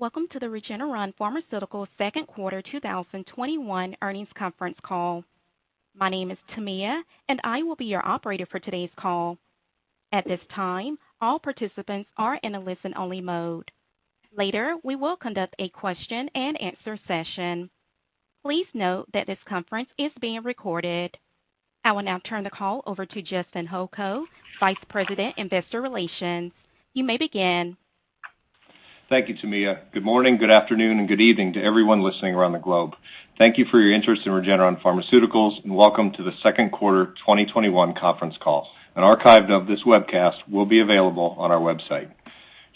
Welcome to the Regeneron Pharmaceuticals second quarter 2021 earnings conference call. My name is Tamia, and I will be your operator for today's call. At this time, all participants are in a listen-only mode. Later, we will conduct a question and answer session. Please note that this conference is being recorded. I will now turn the call over to Justin Holko, Vice President, Investor Relations. You may begin. Thank you, Tamia. Good morning, good afternoon, and good evening to everyone listening around the globe. Thank you for your interest in Regeneron Pharmaceuticals, and welcome to the second quarter 2021 conference call. An archive of this webcast will be available on our website.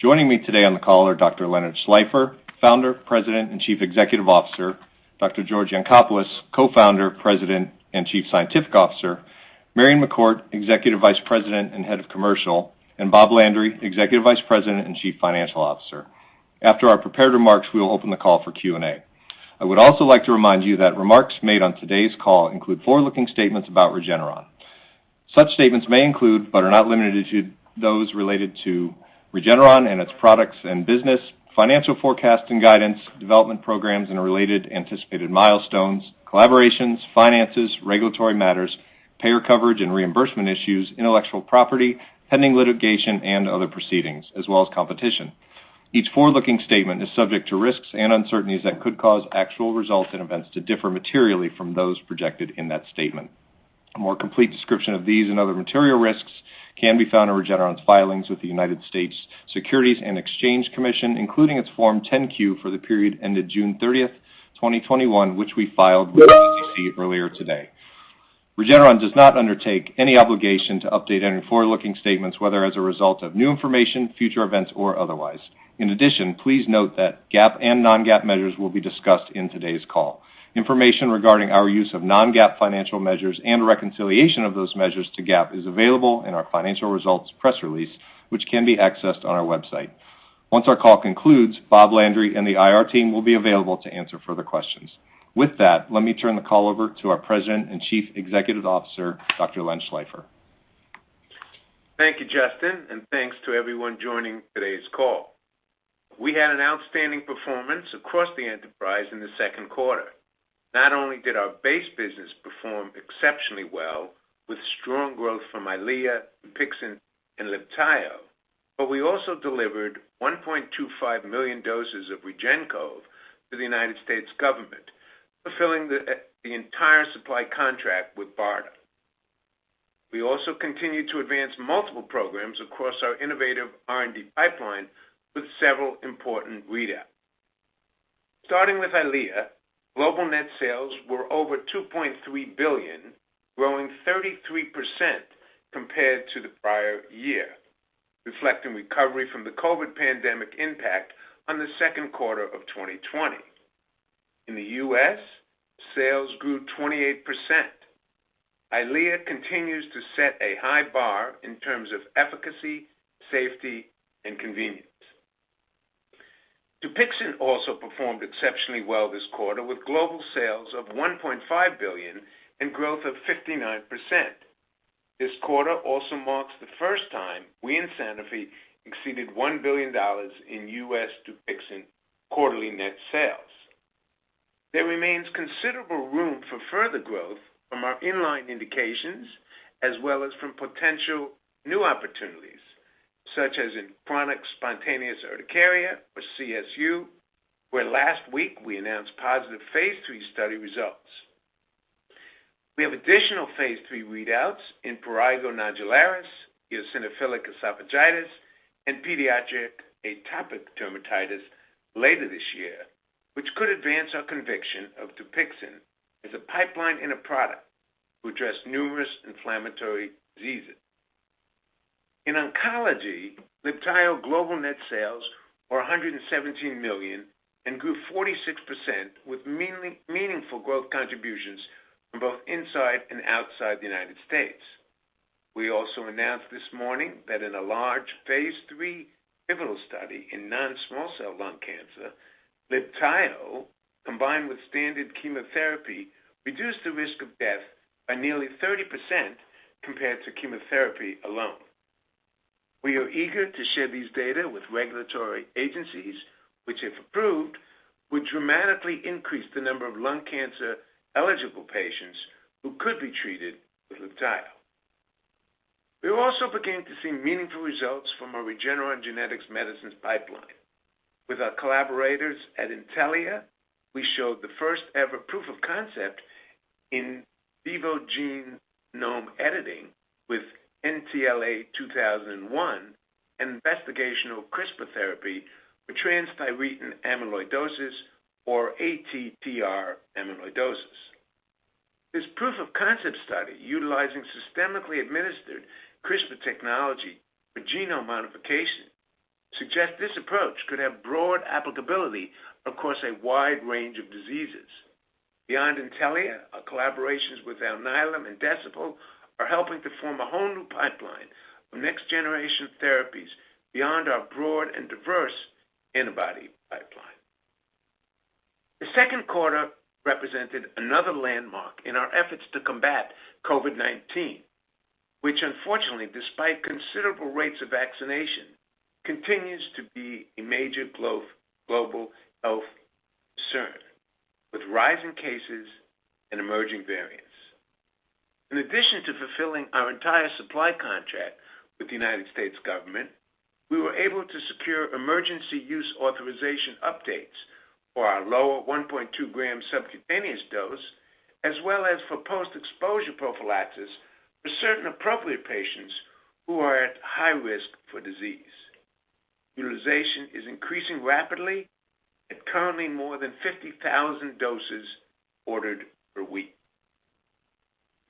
Joining me today on the call are Dr. Leonard Schleifer, Founder, President, and Chief Executive Officer, Dr. George Yancopoulos, Co-founder, President, and Chief Scientific Officer, Marion McCourt, Executive Vice President and Head of Commercial, and Bob Landry, Executive Vice President and Chief Financial Officer. After our prepared remarks, we will open the call for Q&A. I would also like to remind you that remarks made on today's call include forward-looking statements about Regeneron. Such statements may include, but are not limited to those related to Regeneron and its products and business, financial forecast and guidance, development programs and related anticipated milestones, collaborations, finances, regulatory matters, payer coverage and reimbursement issues, intellectual property, pending litigation and other proceedings, as well as competition. Each forward-looking statement is subject to risks and uncertainties that could cause actual results and events to differ materially from those projected in that statement. A more complete description of these and other material risks can be found in Regeneron's filings with the United States Securities and Exchange Commission, including its Form 10-Q for the period ended June 30, 2021, which we filed with the SEC earlier today. Regeneron does not undertake any obligation to update any forward-looking statements, whether as a result of new information, future events, or otherwise. Please note that GAAP and non-GAAP measures will be discussed in today's call. Information regarding our use of non-GAAP financial measures and reconciliation of those measures to GAAP is available in our financial results press release, which can be accessed on our website. Once our call concludes, Bob Landry and the IR team will be available to answer further questions. Let me turn the call over to our President and Chief Executive Officer, Dr. Len Schleifer. Thank you, Justin, and thanks to everyone joining today's call. We had an outstanding performance across the enterprise in the second quarter. Not only did our base business perform exceptionally well with strong growth from EYLEA, DUPIXENT, and LIBTAYO, but we also delivered 1.25 million doses of REGEN-COV to the United States government, fulfilling the entire supply contract with BARDA. We also continued to advance multiple programs across our innovative R&D pipeline with several important readouts. Starting with EYLEA, global net sales were over $2.3 billion, growing 33% compared to the prior year, reflecting recovery from the COVID pandemic impact on the second quarter of 2020. In the U.S., sales grew 28%. EYLEA continues to set a high bar in terms of efficacy, safety, and convenience. DUPIXENT also performed exceptionally well this quarter, with global sales of $1.5 billion and growth of 59%. This quarter also marks the first time we and Sanofi exceeded $1 billion in U.S. DUPIXENT quarterly net sales. There remains considerable room for further growth from our in-line indications as well as from potential new opportunities, such as in chronic spontaneous urticaria, or CSU, where last week we announced positive phase III study results. We have additional phase III readouts in prurigo nodularis, eosinophilic esophagitis, and pediatric atopic dermatitis later this year, which could advance our conviction of DUPIXENT as a pipeline and a product to address numerous inflammatory diseases. In oncology, LIBTAYO global net sales are $117 million and grew 46% with meaningful growth contributions from both inside and outside the U.S. We also announced this morning that in a large phase III pivotal study in non-small cell lung cancer, LIBTAYO, combined with standard chemotherapy, reduced the risk of death by nearly 30% compared to chemotherapy alone. We are eager to share these data with regulatory agencies, which, if approved, would dramatically increase the number of lung cancer-eligible patients who could be treated with LIBTAYO. We also began to see meaningful results from our Regeneron Genetic Medicines pipeline. With our collaborators at Intellia, we showed the first-ever proof of concept in vivo gene genome editing with NTLA-2001, an investigational CRISPR therapy for transthyretin amyloidosis or ATTR amyloidosis. This proof of concept study, utilizing systemically administered CRISPR technology for genome modification, suggests this approach could have broad applicability across a wide range of diseases. Beyond Intellia, our collaborations with Alnylam and Decibel are helping to form a whole new pipeline of next-generation therapies beyond our broad and diverse antibody pipeline. The second quarter represented another landmark in our efforts to combat COVID-19, which unfortunately, despite considerable rates of vaccination, continues to be a major global health concern, with rising cases and emerging variants. In addition to fulfilling our entire supply contract with the United States government, we were able to secure emergency use authorization updates for our lower 1.2 gram subcutaneous dose, as well as for post-exposure prophylaxis for certain appropriate patients who are at high risk for disease. Utilization is increasing rapidly at currently more than 50,000 doses ordered per week.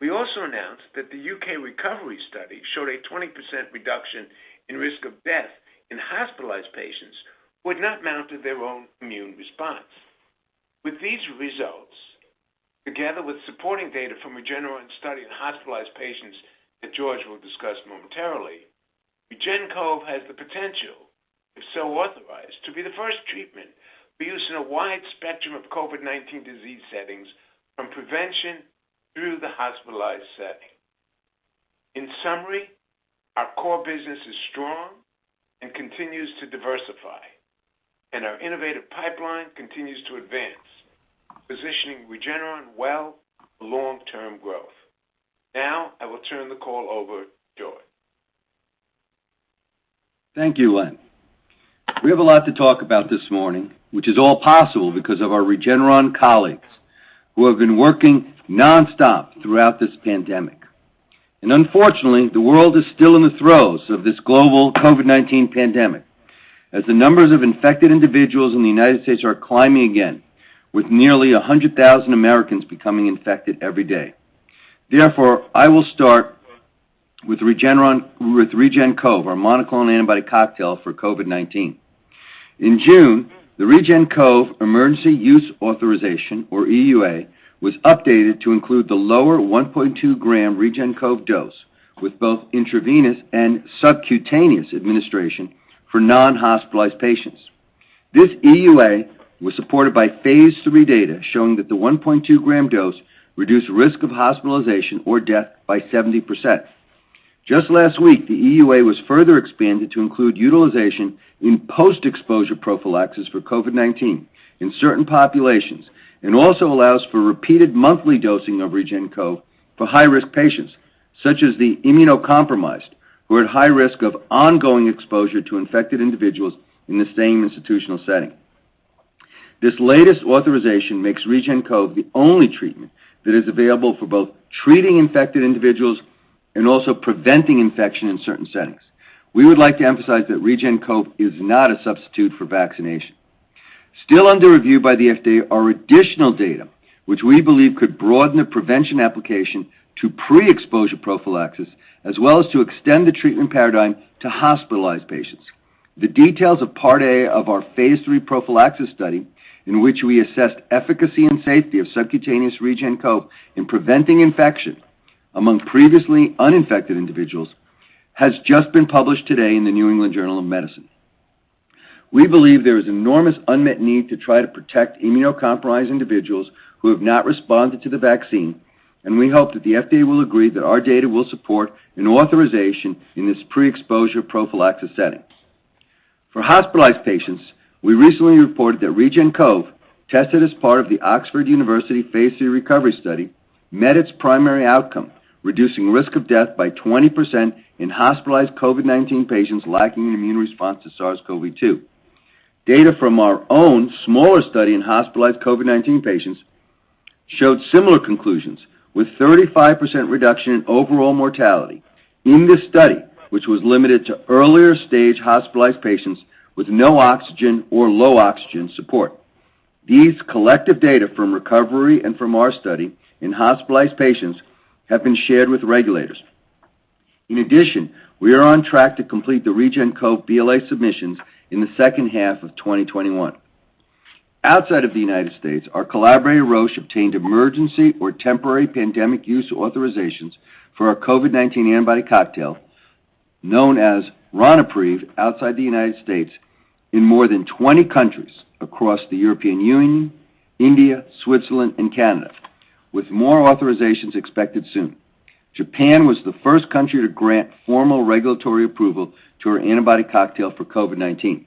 We also announced that the U.K. RECOVERY study showed a 20% reduction in risk of death in hospitalized patients who had not mounted their own immune response. With these results, together with supporting data from Regeneron's study in hospitalized patients that George will discuss momentarily, REGEN-COV has the potential, if so authorized, to be the first treatment for use in a wide spectrum of COVID-19 disease settings, from prevention through the hospitalized setting. In summary, our core business is strong and continues to diversify, and our innovative pipeline continues to advance, positioning Regeneron well for long-term growth. Now, I will turn the call over to George. Thank you, Len. We have a lot to talk about this morning, which is all possible because of our Regeneron colleagues who have been working non-stop throughout this pandemic. Unfortunately, the world is still in the throes of this global COVID-19 pandemic, as the numbers of infected individuals in the U.S. are climbing again, with nearly 100,000 Americans becoming infected every day. Therefore, I will start with REGEN-COV, our monoclonal antibody cocktail for COVID-19. In June, the REGEN-COV Emergency Use Authorization, or EUA, was updated to include the lower 1.2 gram REGEN-COV dose with both intravenous and subcutaneous administration for non-hospitalized patients. This EUA was supported by phase III data showing that the 1.2 gram dose reduced risk of hospitalization or death by 70%. Just last week, the EUA was further expanded to include utilization in post-exposure prophylaxis for COVID-19 in certain populations, and also allows for repeated monthly dosing of REGEN-COV for high-risk patients, such as the immunocompromised, who are at high risk of ongoing exposure to infected individuals in the same institutional setting. This latest authorization makes REGEN-COV the only treatment that is available for both treating infected individuals and also preventing infection in certain settings. We would like to emphasize that REGEN-COV is not a substitute for vaccination. Still under review by the FDA are additional data which we believe could broaden the prevention application to pre-exposure prophylaxis, as well as to extend the treatment paradigm to hospitalized patients. The details of Part A of our phase III prophylaxis study, in which we assessed efficacy and safety of subcutaneous REGEN-COV in preventing infection among previously uninfected individuals, has just been published today in "The New England Journal of Medicine." We believe there is enormous unmet need to try to protect immunocompromised individuals who have not responded to the vaccine. We hope that the FDA will agree that our data will support an authorization in this pre-exposure prophylaxis setting. For hospitalized patients, we recently reported that REGEN-COV, tested as part of the University of Oxford phase III RECOVERY study, met its primary outcome, reducing risk of death by 20% in hospitalized COVID-19 patients lacking an immune response to SARS-CoV-2. Data from our own smaller study in hospitalized COVID-19 patients showed similar conclusions, with 35% reduction in overall mortality in this study, which was limited to earlier stage hospitalized patients with no oxygen or low oxygen support. These collective data from RECOVERY and from our study in hospitalized patients have been shared with regulators. In addition, we are on track to complete the REGEN-COV BLA submissions in the second half of 2021. Outside of the United States, our collaborator, Roche, obtained emergency or temporary pandemic use authorizations for our COVID-19 antibody cocktail, known as Ronapreve outside the United States, in more than 20 countries across the European Union, India, Switzerland, and Canada, with more authorizations expected soon. Japan was the first country to grant formal regulatory approval to our antibody cocktail for COVID-19.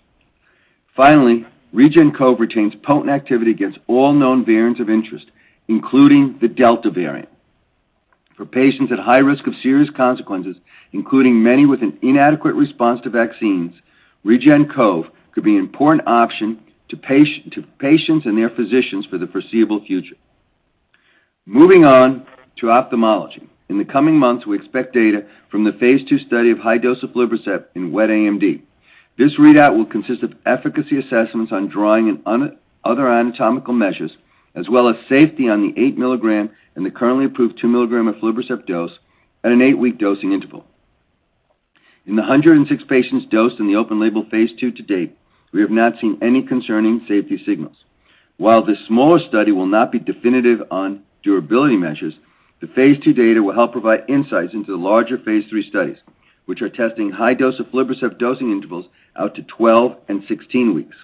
Finally, REGEN-COV retains potent activity against all known variants of interest, including the Delta variant. For patients at high risk of serious consequences, including many with an inadequate response to vaccines, REGEN-COV could be an important option to patients and their physicians for the foreseeable future. Moving on to ophthalmology. In the coming months, we expect data from the phase II study of high-dose aflibercept in wet AMD. This readout will consist of efficacy assessments on drying and other anatomical measures, as well as safety on the 8 mg and the currently approved 2 mg aflibercept dose at an eight-week dosing interval. In the 106 patients dosed in the open label phase II to date, we have not seen any concerning safety signals. While this smaller study will not be definitive on durability measures, the phase II data will help provide insights into the larger phase III studies, which are testing high-dose aflibercept dosing intervals out to 12 and 16 weeks.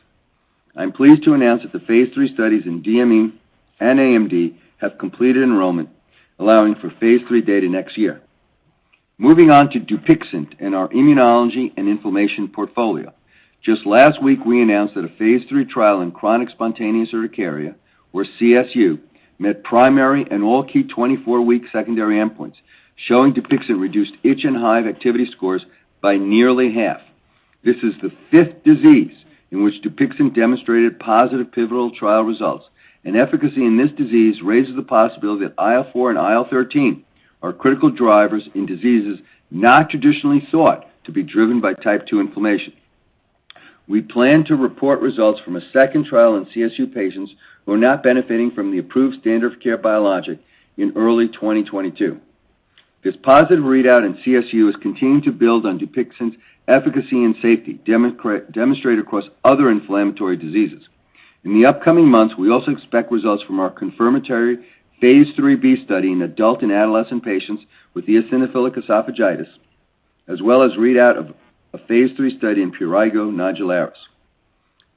I'm pleased to announce that the phase III studies in DME and AMD have completed enrollment, allowing for phase III data next year. Moving on to DUPIXENT and our immunology and inflammation portfolio. Just last week, we announced that a phase III trial in chronic spontaneous urticaria, or CSU, met primary and all key 24-week secondary endpoints, showing DUPIXENT reduced itch and hive activity scores by nearly half. This is the fifth disease in which DUPIXENT demonstrated positive pivotal trial results. An efficacy in this disease raises the possibility that IL-4 and IL-13 are critical drivers in diseases not traditionally thought to be driven by type 2 inflammation. We plan to report results from a second trial in CSU patients who are not benefiting from the approved standard of care biologic in early 2022. This positive readout in CSU is continuing to build on DUPIXENT's efficacy and safety demonstrated across other inflammatory diseases. In the upcoming months, we also expect results from our confirmatory phase III-B study in adult and adolescent patients with eosinophilic esophagitis, as well as readout of a phase III study in prurigo nodularis.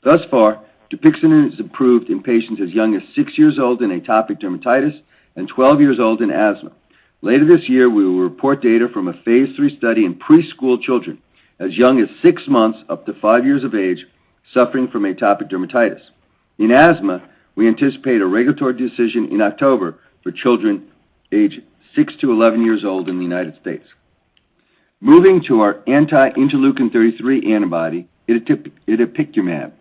Thus far, DUPIXENT is approved in patients as young as six years old in atopic dermatitis and 12 years old in asthma. Later this year, we will report data from a phase III study in preschool children as young as six months up to five years of age suffering from atopic dermatitis. In asthma, we anticipate a regulatory decision in October for children aged 6-11 years old in the U.S. Moving to our anti-interleukin-33 antibody, itepekimab.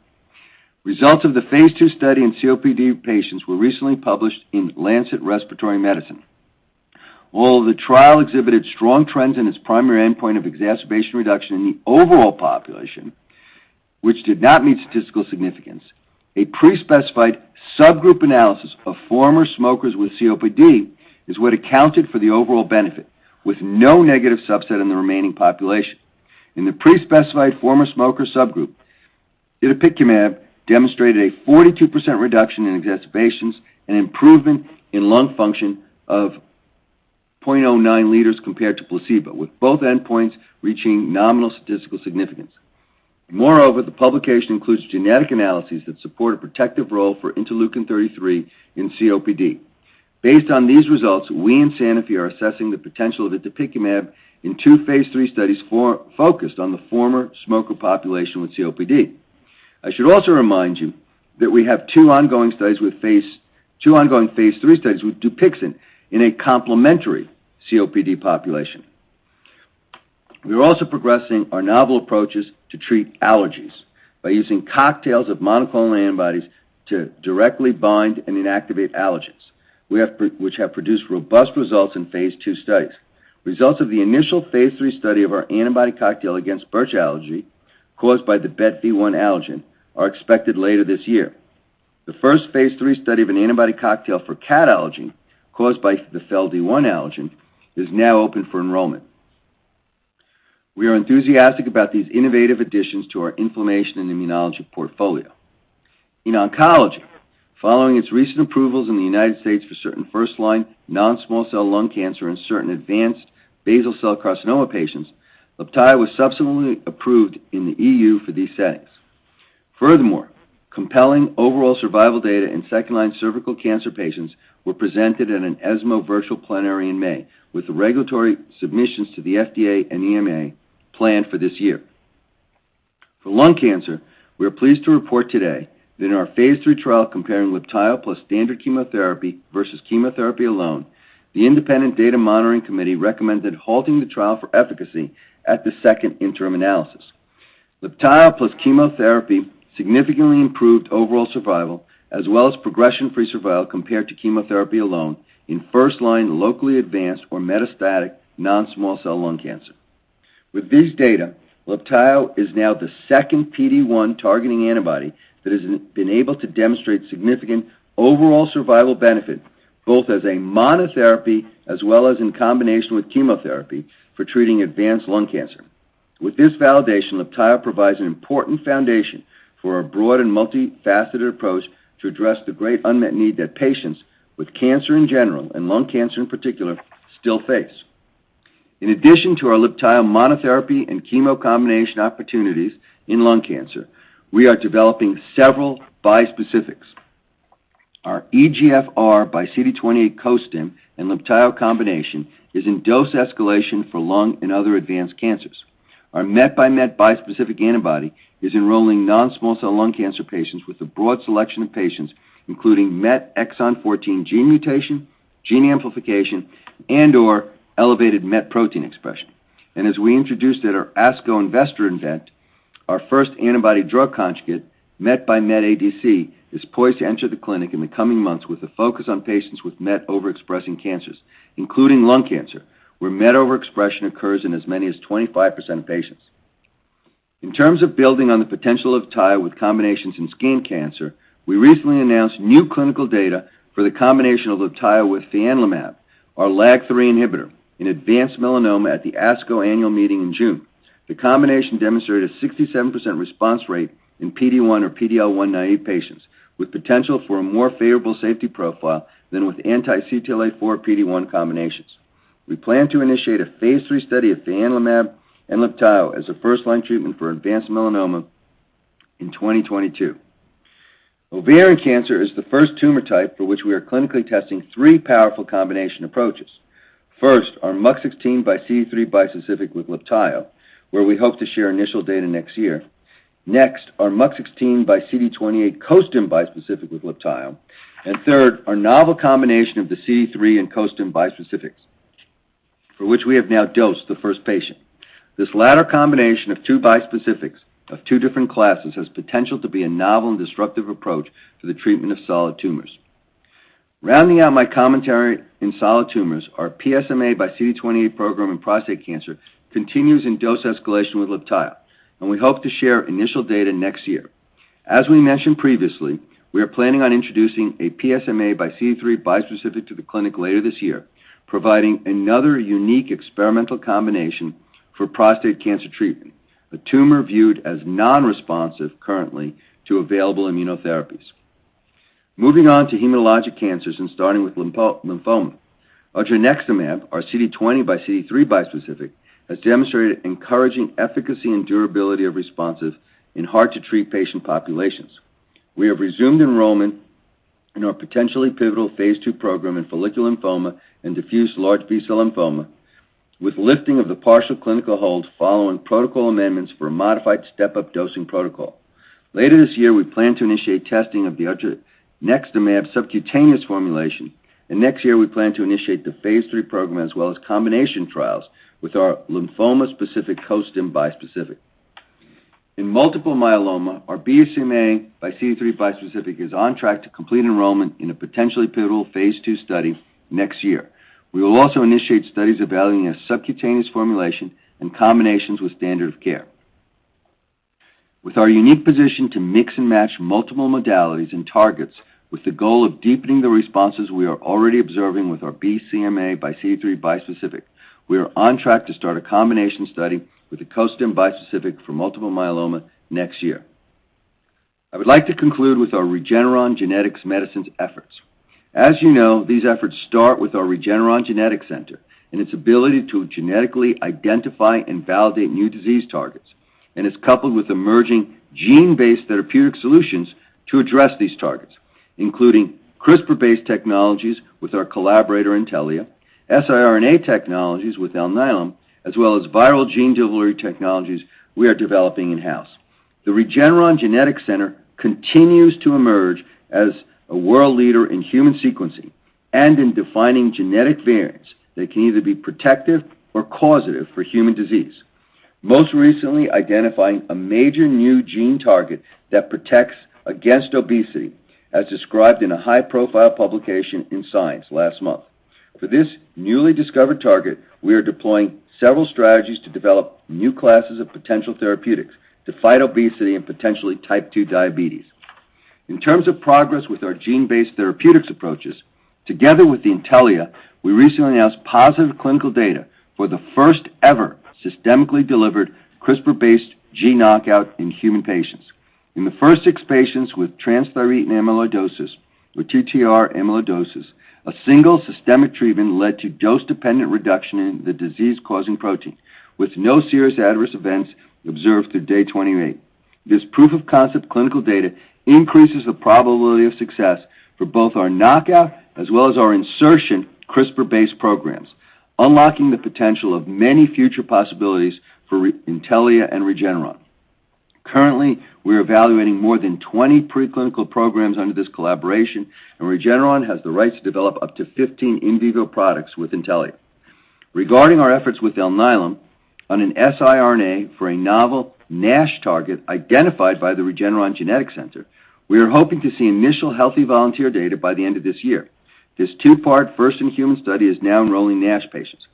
Results of the phase II study in COPD patients were recently published in The Lancet Respiratory Medicine. While the trial exhibited strong trends in its primary endpoint of exacerbation reduction in the overall population, which did not meet statistical significance, a pre-specified subgroup analysis of former smokers with COPD is what accounted for the overall benefit, with no negative subset in the remaining population. In the pre-specified former smoker subgroup, itepekimab demonstrated a 42% reduction in exacerbations and improvement in lung function of 0.09 liters compared to placebo, with both endpoints reaching nominal statistical significance. Moreover, the publication includes genetic analyses that support a protective role for interleukin-33 in COPD. Based on these results, we and Sanofi are assessing the potential of itepekimab in two phase III studies focused on the former smoker population with COPD. I should also remind you that we have two ongoing phase III studies with DUPIXENT in a complementary COPD population. We are also progressing our novel approaches to treat allergies by using cocktails of monoclonal antibodies to directly bind and inactivate allergens, which have produced robust results in phase II studies. Results of the initial phase III study of our antibody cocktail against birch allergy caused by the Bet v 1 allergen are expected later this year. The first phase III study of an antibody cocktail for cat allergy, caused by the Fel d 1 allergen, is now open for enrollment. We are enthusiastic about these innovative additions to our inflammation and immunology portfolio. In oncology, following its recent approvals in the United States for certain first-line non-small cell lung cancer in certain advanced basal cell carcinoma patients, LIBTAYO was subsequently approved in the E.U. for these settings. Furthermore, compelling overall survival data in second-line cervical cancer patients were presented at an ESMO virtual plenary in May, with the regulatory submissions to the FDA and EMA planned for this year. For lung cancer, we are pleased to report today that in our phase III trial comparing LIBTAYO plus standard chemotherapy versus chemotherapy alone, the independent data monitoring committee recommended halting the trial for efficacy at the second interim analysis. LIBTAYO plus chemotherapy significantly improved overall survival, as well as progression-free survival compared to chemotherapy alone in first-line locally advanced or metastatic non-small cell lung cancer. With these data, LIBTAYO is now the second PD-1 targeting antibody that has been able to demonstrate significant overall survival benefit, both as a monotherapy as well as in combination with chemotherapy for treating advanced lung cancer. With this validation, LIBTAYO provides an important foundation for our broad and multifaceted approach to address the great unmet need that patients with cancer in general and lung cancer in particular still face. In addition to our LIBTAYO monotherapy and chemo combination opportunities in lung cancer, we are developing several bispecifics. Our EGFR by CD28 costim and LIBTAYO combination is in dose escalation for lung and other advanced cancers. Our MET by MET bispecific antibody is enrolling non-small cell lung cancer patients with a broad selection of patients, including MET exon 14 gene mutation, gene amplification, and/or elevated MET protein expression. As we introduced at our ASCO Investor event, our first antibody drug conjugate, MET x MET ADC, is poised to enter the clinic in the coming months with a focus on patients with MET overexpressing cancers, including lung cancer, where MET overexpression occurs in as many as 25% of patients. In terms of building on the potential of LIBTAYO with combinations in skin cancer, we recently announced new clinical data for the combination of LIBTAYO with fianlimab, our LAG-3 inhibitor in advanced melanoma at the ASCO annual meeting in June. The combination demonstrated a 67% response rate in PD-1 or PD-L1 naive patients with potential for a more favorable safety profile than with anti-CTLA-4 PD-1 combinations. We plan to initiate a phase III study of fianlimab and LIBTAYO as a first-line treatment for advanced melanoma in 2022. Ovarian cancer is the first tumor type for which we are clinically testing three powerful combination approaches. First, our MUC16 x CD3 bispecific with LIBTAYO, where we hope to share initial data next year. Next, our MUC16 x CD28 costim bispecific with LIBTAYO. Third, our novel combination of the CD3 and costim bispecifics, for which we have now dosed the first patient. This latter combination of two bispecifics of two different classes has potential to be a novel and disruptive approach to the treatment of solid tumors. Rounding out my commentary in solid tumors, our PSMAxCD28 program in prostate cancer continues in dose escalation with LIBTAYO. We hope to share initial data next year. As we mentioned previously, we are planning on introducing a PSMAxCD3 bispecific to the clinic later this year, providing another unique experimental combination for prostate cancer treatment, a tumor viewed as non-responsive currently to available immunotherapies. Moving on to hematologic cancers and starting with lymphoma. odronextamab, our CD20xCD3 bispecific, has demonstrated encouraging efficacy and durability of responses in hard-to-treat patient populations. We have resumed enrollment in our potentially pivotal Phase II program in follicular lymphoma and diffuse large B-cell lymphoma with lifting of the partial clinical hold following protocol amendments for a modified step-up dosing protocol. Later this year, we plan to initiate testing of the odronextamab subcutaneous formulation, and next year we plan to initiate the Phase III program as well as combination trials with our lymphoma-specific costim bispecific. In multiple myeloma, our BCMAxCD3 bispecific is on track to complete enrollment in a potentially pivotal phase II study next year. We will also initiate studies evaluating a subcutaneous formulation and combinations with standard of care. With our unique position to mix and match multiple modalities and targets with the goal of deepening the responses we are already observing with our BCMAxCD3 bispecific, we are on track to start a combination study with the costim bispecific for multiple myeloma next year. I would like to conclude with our Regeneron Genetic Medicines efforts. As you know, these efforts start with our Regeneron Genetics Center and its ability to genetically identify and validate new disease targets, and it's coupled with emerging gene-based therapeutic solutions to address these targets, including CRISPR-based technologies with our collaborator, Intellia, siRNA technologies with Alnylam, as well as viral gene delivery technologies we are developing in-house. The Regeneron Genetics Center continues to emerge as a world leader in human sequencing and in defining genetic variants that can either be protective or causative for human disease. Most recently identifying a major new gene target that protects against obesity, as described in a high-profile publication in "Science" last month. For this newly discovered target, we are deploying several strategies to develop new classes of potential therapeutics to fight obesity and potentially Type 2 diabetes. In terms of progress with our gene-based therapeutics approaches, together with Intellia, we recently announced positive clinical data for the first ever systemically delivered CRISPR-based gene knockout in human patients. In the first six patients with transthyretin amyloidosis, or TTR amyloidosis, a single systemic treatment led to dose-dependent reduction in the disease-causing protein, with no serious adverse events observed through day 28. This proof of concept clinical data increases the probability of success for both our knockout as well as our insertion CRISPR-based programs, unlocking the potential of many future possibilities for Intellia and Regeneron. Currently, we're evaluating more than 20 preclinical programs under this collaboration, and Regeneron has the right to develop up to 15 in vivo products with Intellia. Regarding our efforts with Alnylam on an siRNA for a novel NASH target identified by the Regeneron Genetics Center, we are hoping to see initial healthy volunteer data by the end of this year. This two-part first-in-human study is now enrolling NASH patients.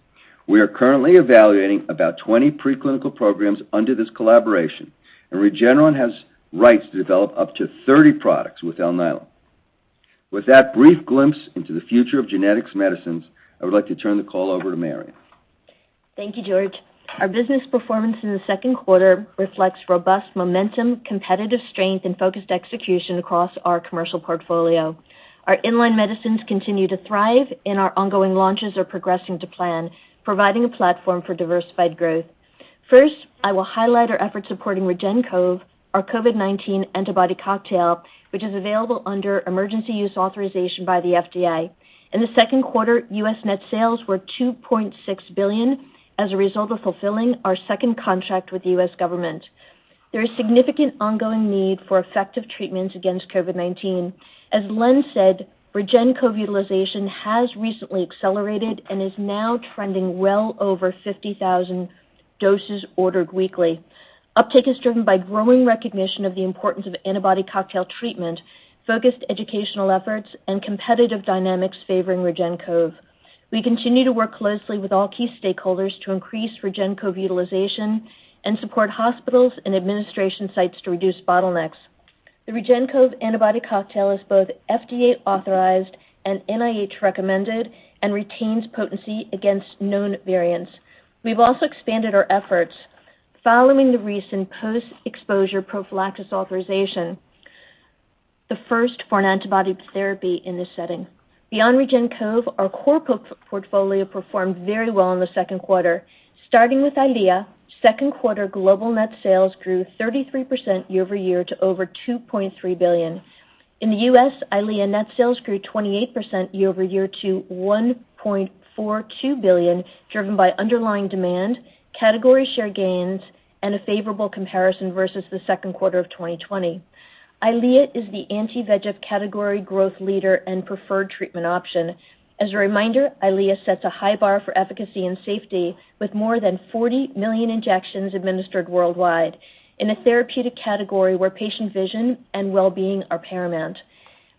We are currently evaluating about 20 preclinical programs under this collaboration, and Regeneron has rights to develop up to 30 products with Alnylam. With that brief glimpse into the future of genetics medicines, I would like to turn the call over to Marion. Thank you, George. Our business performance in the second quarter reflects robust momentum, competitive strength, and focused execution across our commercial portfolio. Our in-line medicines continue to thrive, our ongoing launches are progressing to plan, providing a platform for diversified growth. First, I will highlight our efforts supporting REGEN-COV, our COVID-19 antibody cocktail, which is available under Emergency Use Authorization by the FDA. In the second quarter, U.S. net sales were $2.6 billion as a result of fulfilling our second contract with the U.S. government. There is significant ongoing need for effective treatments against COVID-19. As Len said, REGEN-COV utilization has recently accelerated and is now trending well over 50,000 doses ordered weekly. Uptake is driven by growing recognition of the importance of antibody cocktail treatment, focused educational efforts, and competitive dynamics favoring REGEN-COV. We continue to work closely with all key stakeholders to increase REGEN-COV utilization and support hospitals and administration sites to reduce bottlenecks. The REGEN-COV antibody cocktail is both FDA-authorized and NIH-recommended and retains potency against known variants. We've also expanded our efforts following the recent post-exposure prophylaxis authorization. The first for an antibody therapy in this setting. Beyond REGEN-COV, our core portfolio performed very well in the second quarter, starting with EYLEA. Second quarter global net sales grew 33% year-over-year to over $2.3 billion. In the U.S., EYLEA net sales grew 28% year-over-year to $1.42 billion, driven by underlying demand, category share gains, and a favorable comparison versus the second quarter of 2020. EYLEA is the anti-VEGF category growth leader and preferred treatment option. As a reminder, EYLEA sets a high bar for efficacy and safety with more than 40 million injections administered worldwide in a therapeutic category where patient vision and wellbeing are paramount.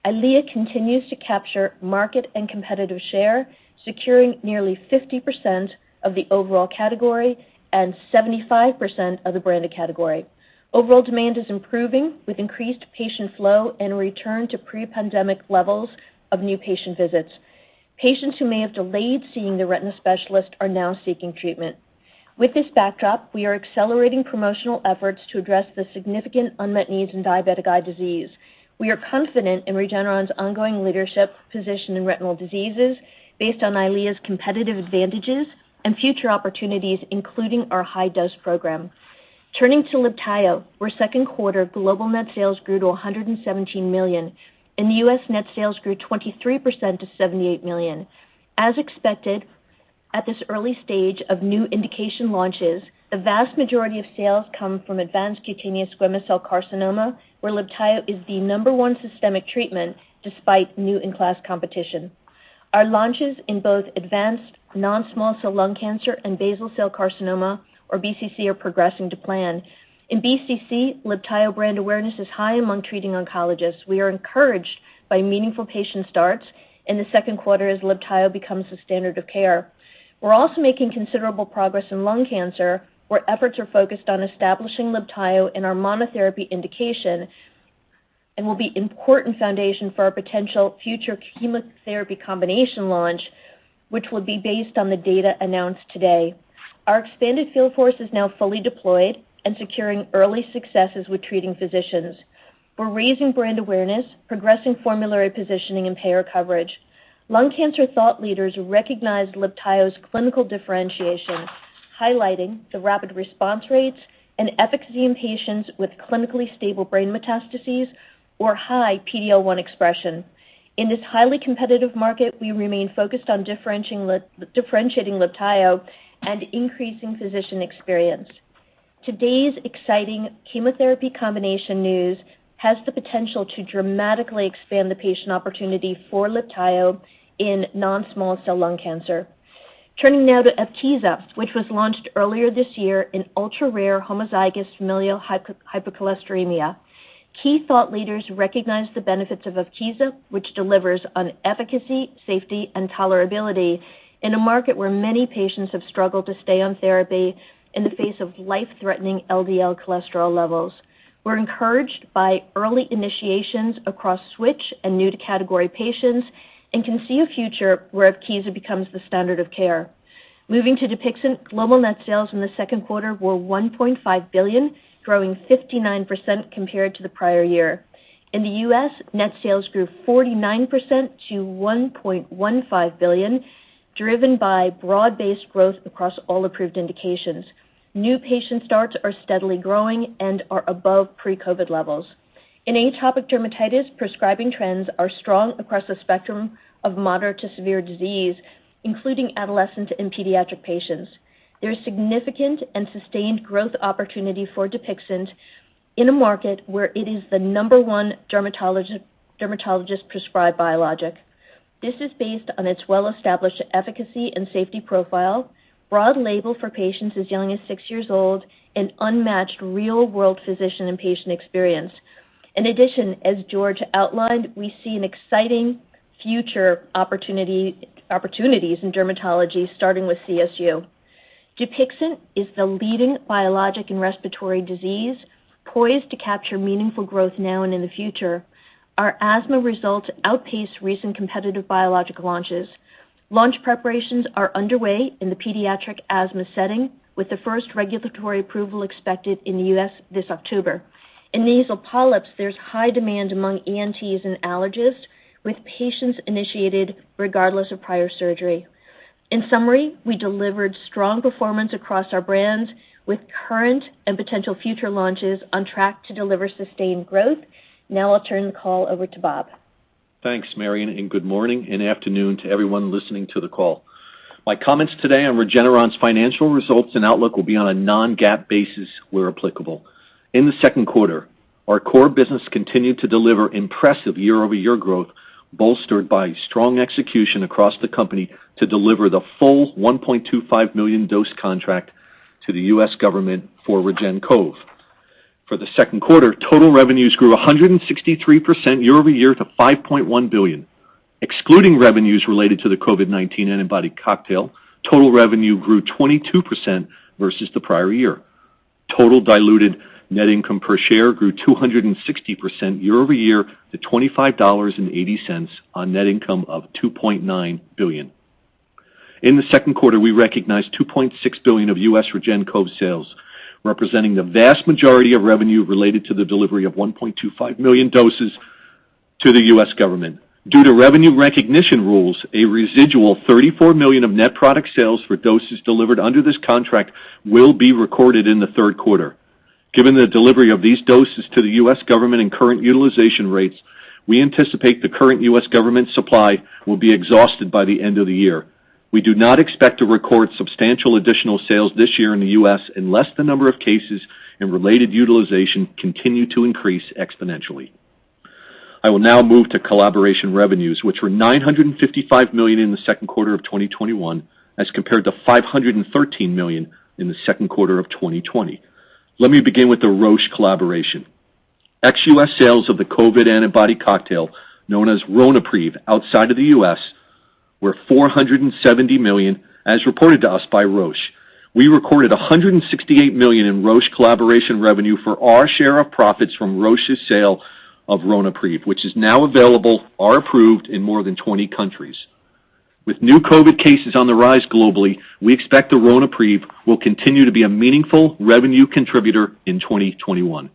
EYLEA continues to capture market and competitive share, securing nearly 50% of the overall category and 75% of the branded category. Overall demand is improving with increased patient flow and a return to pre-pandemic levels of new patient visits. Patients who may have delayed seeing their retina specialist are now seeking treatment. With this backdrop, we are accelerating promotional efforts to address the significant unmet needs in diabetic eye disease. We are confident in Regeneron's ongoing leadership position in retinal diseases based on EYLEA's competitive advantages and future opportunities, including our high-dose program. Turning to LIBTAYO, where second quarter global net sales grew to $117 million. In the U.S., net sales grew 23% to $78 million. As expected, at this early stage of new indication launches, the vast majority of sales come from advanced cutaneous squamous cell carcinoma, where LIBTAYO is the number one systemic treatment despite new in-class competition. Our launches in both advanced non-small cell lung cancer and basal cell carcinoma or BCC are progressing to plan. In BCC, LIBTAYO brand awareness is high among treating oncologists. We are encouraged by meaningful patient starts in the second quarter as LIBTAYO becomes the standard of care. We're also making considerable progress in lung cancer, where efforts are focused on establishing LIBTAYO in our monotherapy indication and will be an important foundation for our potential future chemotherapy combination launch, which will be based on the data announced today. Our expanded field force is now fully deployed and securing early successes with treating physicians. We're raising brand awareness, progressing formulary positioning, and payer coverage. Lung cancer thought leaders recognize LIBTAYO's clinical differentiation, highlighting the rapid response rates and efficacy in patients with clinically stable brain metastases or high PD-L1 expression. In this highly competitive market, we remain focused on differentiating LIBTAYO and increasing physician experience. Today's exciting chemotherapy combination news has the potential to dramatically expand the patient opportunity for LIBTAYO in non-small cell lung cancer. Turning now to EVKEEZA, which was launched earlier this year in ultra-rare homozygous familial hypercholesterolemia. Key thought leaders recognize the benefits of EVKEEZA, which delivers on efficacy, safety, and tolerability in a market where many patients have struggled to stay on therapy in the face of life-threatening LDL cholesterol levels. We're encouraged by early initiations across switch and new-to-category patients and can see a future where EVKEEZA becomes the standard of care. Moving to DUPIXENT, global net sales in the second quarter were $1.5 billion, growing 59% compared to the prior-year. In the U.S., net sales grew 49% to $1.15 billion, driven by broad-based growth across all approved indications. New patient starts are steadily growing and are above pre-COVID levels. In atopic dermatitis, prescribing trends are strong across the spectrum of moderate to severe disease, including adolescents and pediatric patients. There is significant and sustained growth opportunity for DUPIXENT in a market where it is the number one dermatologist-prescribed biologic. This is based on its well-established efficacy and safety profile, broad label for patients as young as six years old, and unmatched real-world physician and patient experience. In addition, as George outlined, we see an exciting future opportunities in dermatology, starting with CSU. DUPIXENT is the leading biologic in respiratory disease, poised to capture meaningful growth now and in the future. Our asthma results outpace recent competitive biologic launches. Launch preparations are underway in the pediatric asthma setting, with the first regulatory approval expected in the U.S. this October. In nasal polyps, there's high demand among ENTs and allergists, with patients initiated regardless of prior surgery. In summary, we delivered strong performance across our brands, with current and potential future launches on track to deliver sustained growth. I'll turn the call over to Bob. Thanks, Marion, good morning and afternoon to everyone listening to the call. My comments today on Regeneron's financial results and outlook will be on a non-GAAP basis where applicable. In the second quarter, our core business continued to deliver impressive year-over-year growth, bolstered by strong execution across the company to deliver the full 1.25 million dose contract to the U.S. government for REGEN-COV. For the second quarter, total revenues grew 163% year-over-year to $5.1 billion. Excluding revenues related to the COVID-19 antibody cocktail, total revenue grew 22% versus the prior year. Total diluted net income per share grew 260% year-over-year to $25.80 on net income of $2.9 billion. In the second quarter, we recognized $2.6 billion of U.S. REGEN-COV sales, representing the vast majority of revenue related to the delivery of 1.25 million doses to the U.S. government. Due to revenue recognition rules, a residual $34 million of net product sales for doses delivered under this contract will be recorded in the third quarter. Given the delivery of these doses to the U.S. government and current utilization rates, we anticipate the current U.S. government supply will be exhausted by the end of the year. We do not expect to record substantial additional sales this year in the U.S. unless the number of cases and related utilization continue to increase exponentially. I will now move to collaboration revenues, which were $955 million in the second quarter of 2021 as compared to $513 million in the second quarter of 2020. Let me begin with the Roche collaboration. Ex-U.S. sales of the COVID antibody cocktail known as Ronapreve outside of the U.S. were $470 million, as reported to us by Roche. We recorded $168 million in Roche collaboration revenue for our share of profits from Roche's sale of Ronapreve, which is now available or approved in more than 20 countries. With new COVID cases on the rise globally, we expect Ronapreve will continue to be a meaningful revenue contributor in 2021.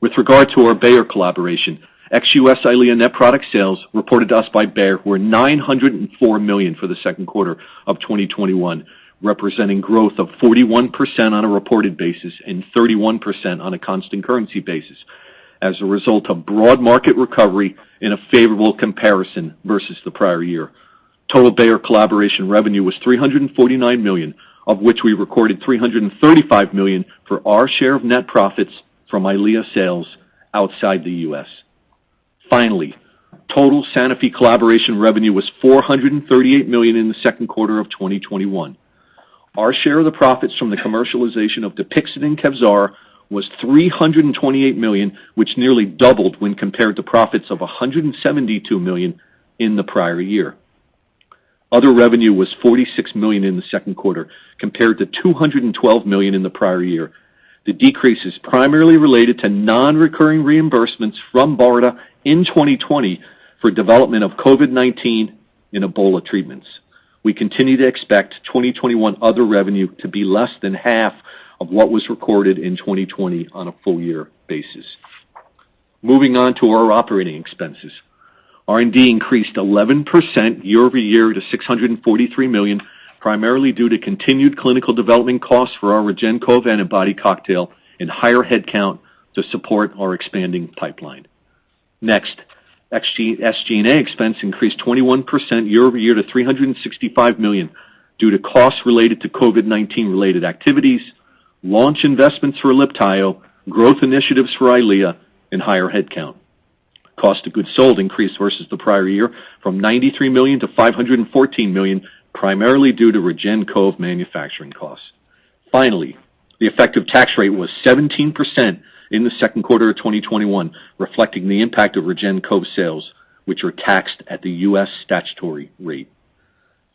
With regard to our Bayer collaboration, ex-U.S. EYLEA net product sales reported to us by Bayer were $904 million for the second quarter of 2021, representing growth of 41% on a reported basis and 31% on a constant currency basis as a result of broad market recovery and a favorable comparison versus the prior year. Total Bayer collaboration revenue was $349 million, of which we recorded $335 million for our share of net profits from EYLEA sales outside the U.S. Finally, total Sanofi collaboration revenue was $438 million in the second quarter of 2021. Our share of the profits from the commercialization of DUPIXENT and KEVZARA was $328 million, which nearly doubled when compared to profits of $172 million in the prior year. Other revenue was $46 million in the second quarter, compared to $212 million in the prior year. The decrease is primarily related to non-recurring reimbursements from BARDA in 2020 for development of COVID-19 and Ebola treatments. We continue to expect 2021 other revenue to be less than half of what was recorded in 2020 on a full year basis. Moving on to our operating expenses. R&D increased 11% year-over-year to $643 million, primarily due to continued clinical development costs for our REGEN-COV antibody cocktail and higher headcount to support our expanding pipeline. SG&A expense increased 21% year-over-year to $365 million due to costs related to COVID-19 related activities, launch investments for DUPIXENT, growth initiatives for EYLEA, and higher headcount. Cost of goods sold increased versus the prior year from $93 million to $514 million, primarily due to REGEN-COV manufacturing costs. The effective tax rate was 17% in the second quarter of 2021, reflecting the impact of REGEN-COV sales, which were taxed at the U.S. statutory rate.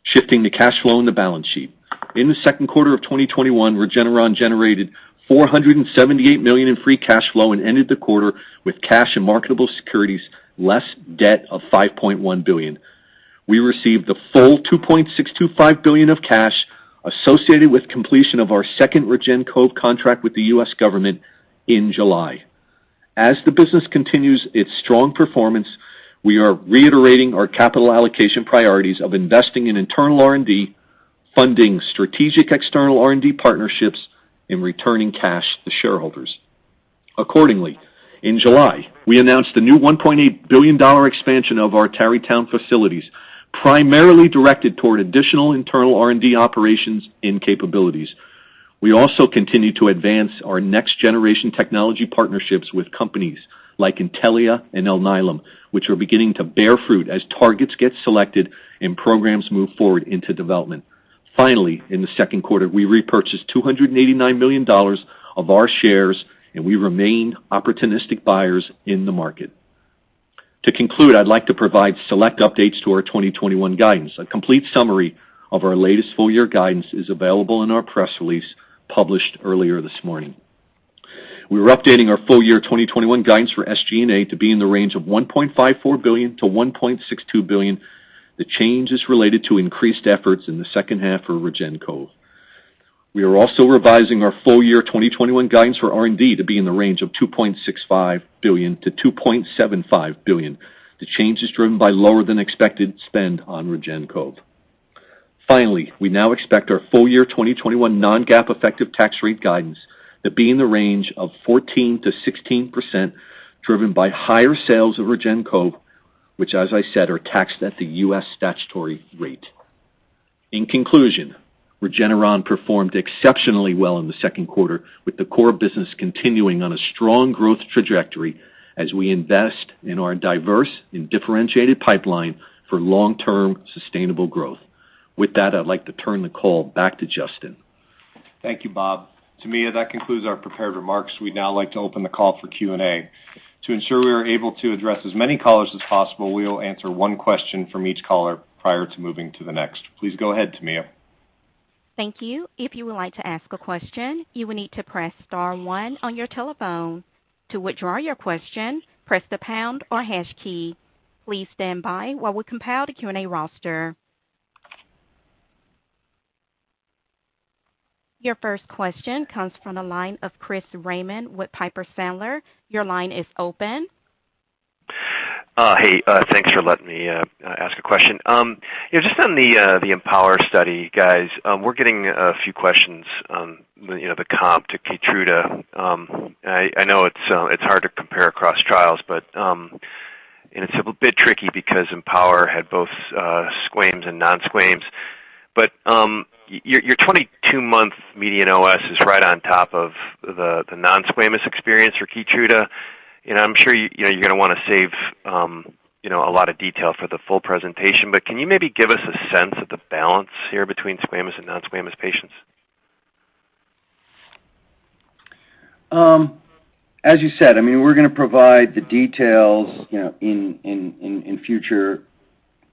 Shifting to cash flow and the balance sheet. In the second quarter of 2021, Regeneron generated $478 million in free cash flow and ended the quarter with cash and marketable securities less debt of $5.1 billion. We received the full $2.625 billion of cash associated with completion of our second REGEN-COV contract with the U.S. government in July. As the business continues its strong performance, we are reiterating our capital allocation priorities of investing in internal R&D, funding strategic external R&D partnerships, and returning cash to shareholders. Accordingly, in July, we announced a new $1.8 billion expansion of our Tarrytown facilities, primarily directed toward additional internal R&D operations and capabilities. We also continue to advance our next-generation technology partnerships with companies like Intellia and Alnylam, which are beginning to bear fruit as targets get selected and programs move forward into development. Finally, in the second quarter, we repurchased $289 million of our shares, and we remain opportunistic buyers in the market. To conclude, I'd like to provide select updates to our 2021 guidance. A complete summary of our latest full year guidance is available in our press release published earlier this morning. We are updating our full year 2021 guidance for SG&A to be in the range of $1.54 billion-$1.62 billion. The change is related to increased efforts in the second half for REGEN-COV. We are also revising our full year 2021 guidance for R&D to be in the range of $2.65 billion-$2.75 billion. The change is driven by lower than expected spend on REGEN-COV. Finally, we now expect our full year 2021 non-GAAP effective tax rate guidance to be in the range of 14%-16%, driven by higher sales of REGEN-COV, which as I said, are taxed at the U.S. statutory rate. In conclusion, Regeneron performed exceptionally well in the second quarter, with the core business continuing on a strong growth trajectory as we invest in our diverse and differentiated pipeline for long-term sustainable growth. With that, I'd like to turn the call back to Justin. Thank you, Bob. Tamia, that concludes our prepared remarks. We'd now like to open the call for Q&A. To ensure we are able to address as many callers as possible, we will answer one question from each caller prior to moving to the next. Please go ahead, Tamia. Thank you. If you would like to ask a question, you will need to press star one on your telephone. To withdraw your question, press the pound or hash key. Please stand by while we compile the Q&A roster. Your first question comes from the line of Chris Raymond with Piper Sandler. Your line is open. Hey, thanks for letting me ask a question. Just on the EMPOWER study, guys, we're getting a few questions on the comp to KEYTRUDA. I know it's hard to compare across trials. It's a bit tricky because EMPOWER had both squams and non-squams. Your 22-month median OS is right on top of the non-squamous experience for KEYTRUDA. I'm sure you're going to want to save a lot of detail for the full presentation. Can you maybe give us a sense of the balance here between squamous and non-squamous patients? As you said, we're going to provide the details in future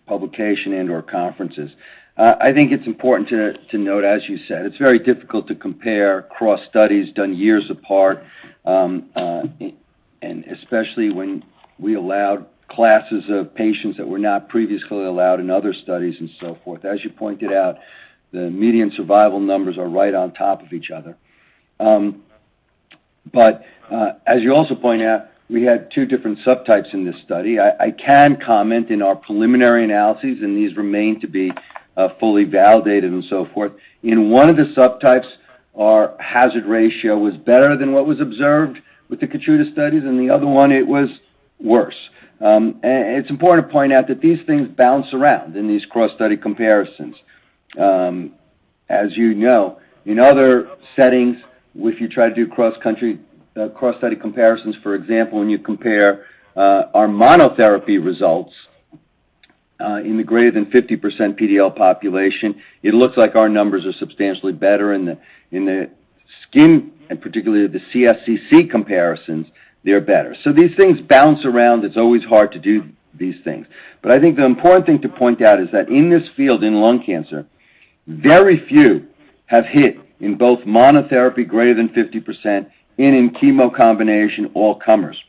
publication and/or conferences. I think it's important to note, as you said, it's very difficult to compare cross-studies done years apart, and especially when we allowed classes of patients that were not previously allowed in other studies and so forth. As you pointed out, the median survival numbers are right on top of each other. As you also point out, we had two different subtypes in this study. I can comment in our preliminary analyses, and these remain to be fully validated and so forth. In one of the subtypes, our hazard ratio was better than what was observed with the KEYTRUDA studies, and the other one, it was worse. It's important to point out that these things bounce around in these cross-study comparisons. As you know, in other settings, if you try to do cross-study comparisons, for example, when you compare our monotherapy results in the greater than 50% PD-L1 population, it looks like our numbers are substantially better in the skin and particularly the CSCC comparisons, they're better. It's always hard to do these things. I think the important thing to point out is that in this field in lung cancer, very few have hit in both monotherapy greater than 50% and in chemo combination all comers.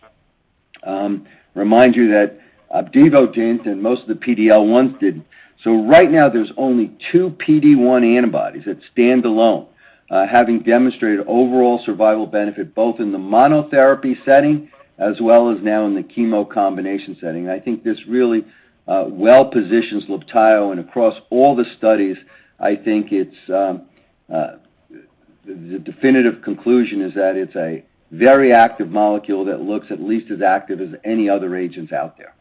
Remind you that OPDIVO didn't and most of the PD-L1s didn't. Right now, there's only two PD-1 antibodies that stand alone having demonstrated overall survival benefit both in the monotherapy setting as well as now in the chemo combination setting. I think this really well positions LIBTAYO and across all the studies, I think the definitive conclusion is that it's a very active molecule that looks at least as active as any other agents out there.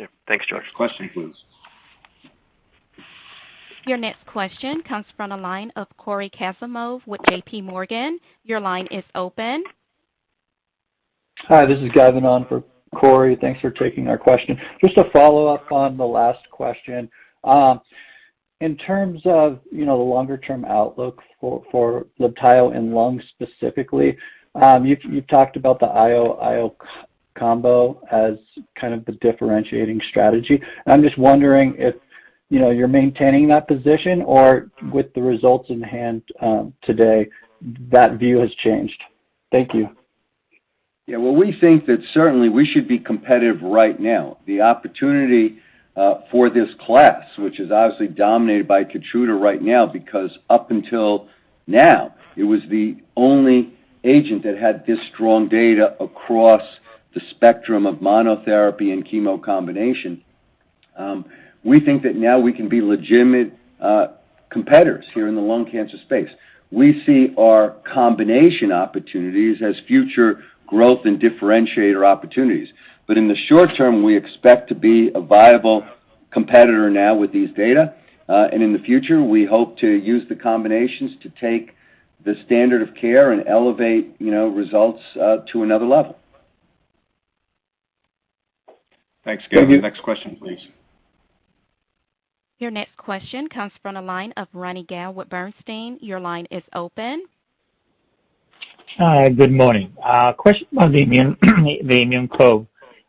Yeah. Thanks, George. Question, please. Your next question comes from the line of Cory Kasimov with JPMorgan. Your line is open. Hi, this is Gavin on for Cory. Thanks for taking our question. Just a follow-up on the last question. In terms of the longer-term outlook for LIBTAYO in lung specifically, you've talked about the IO combo as kind of the differentiating strategy. I'm just wondering if you're maintaining that position or with the results in hand today, that view has changed. Thank you. Yeah. Well, we think that certainly we should be competitive right now. The opportunity for this class, which is obviously dominated by KEYTRUDA right now because up until now, it was the only agent that had this strong data across the spectrum of monotherapy and chemo combination. We think that now we can be legitimate competitors here in the lung cancer space. We see our combination opportunities as future growth and differentiator opportunities. In the short term, we expect to be a viable competitor now with these data. In the future, we hope to use the combinations to take the standard of care and elevate results to another level. Thanks, Gavin. Thank you. Next question, please. Your next question comes from the line of Ronny Gal with Bernstein. Your line is open. Hi, good morning. A question on the immune cohort.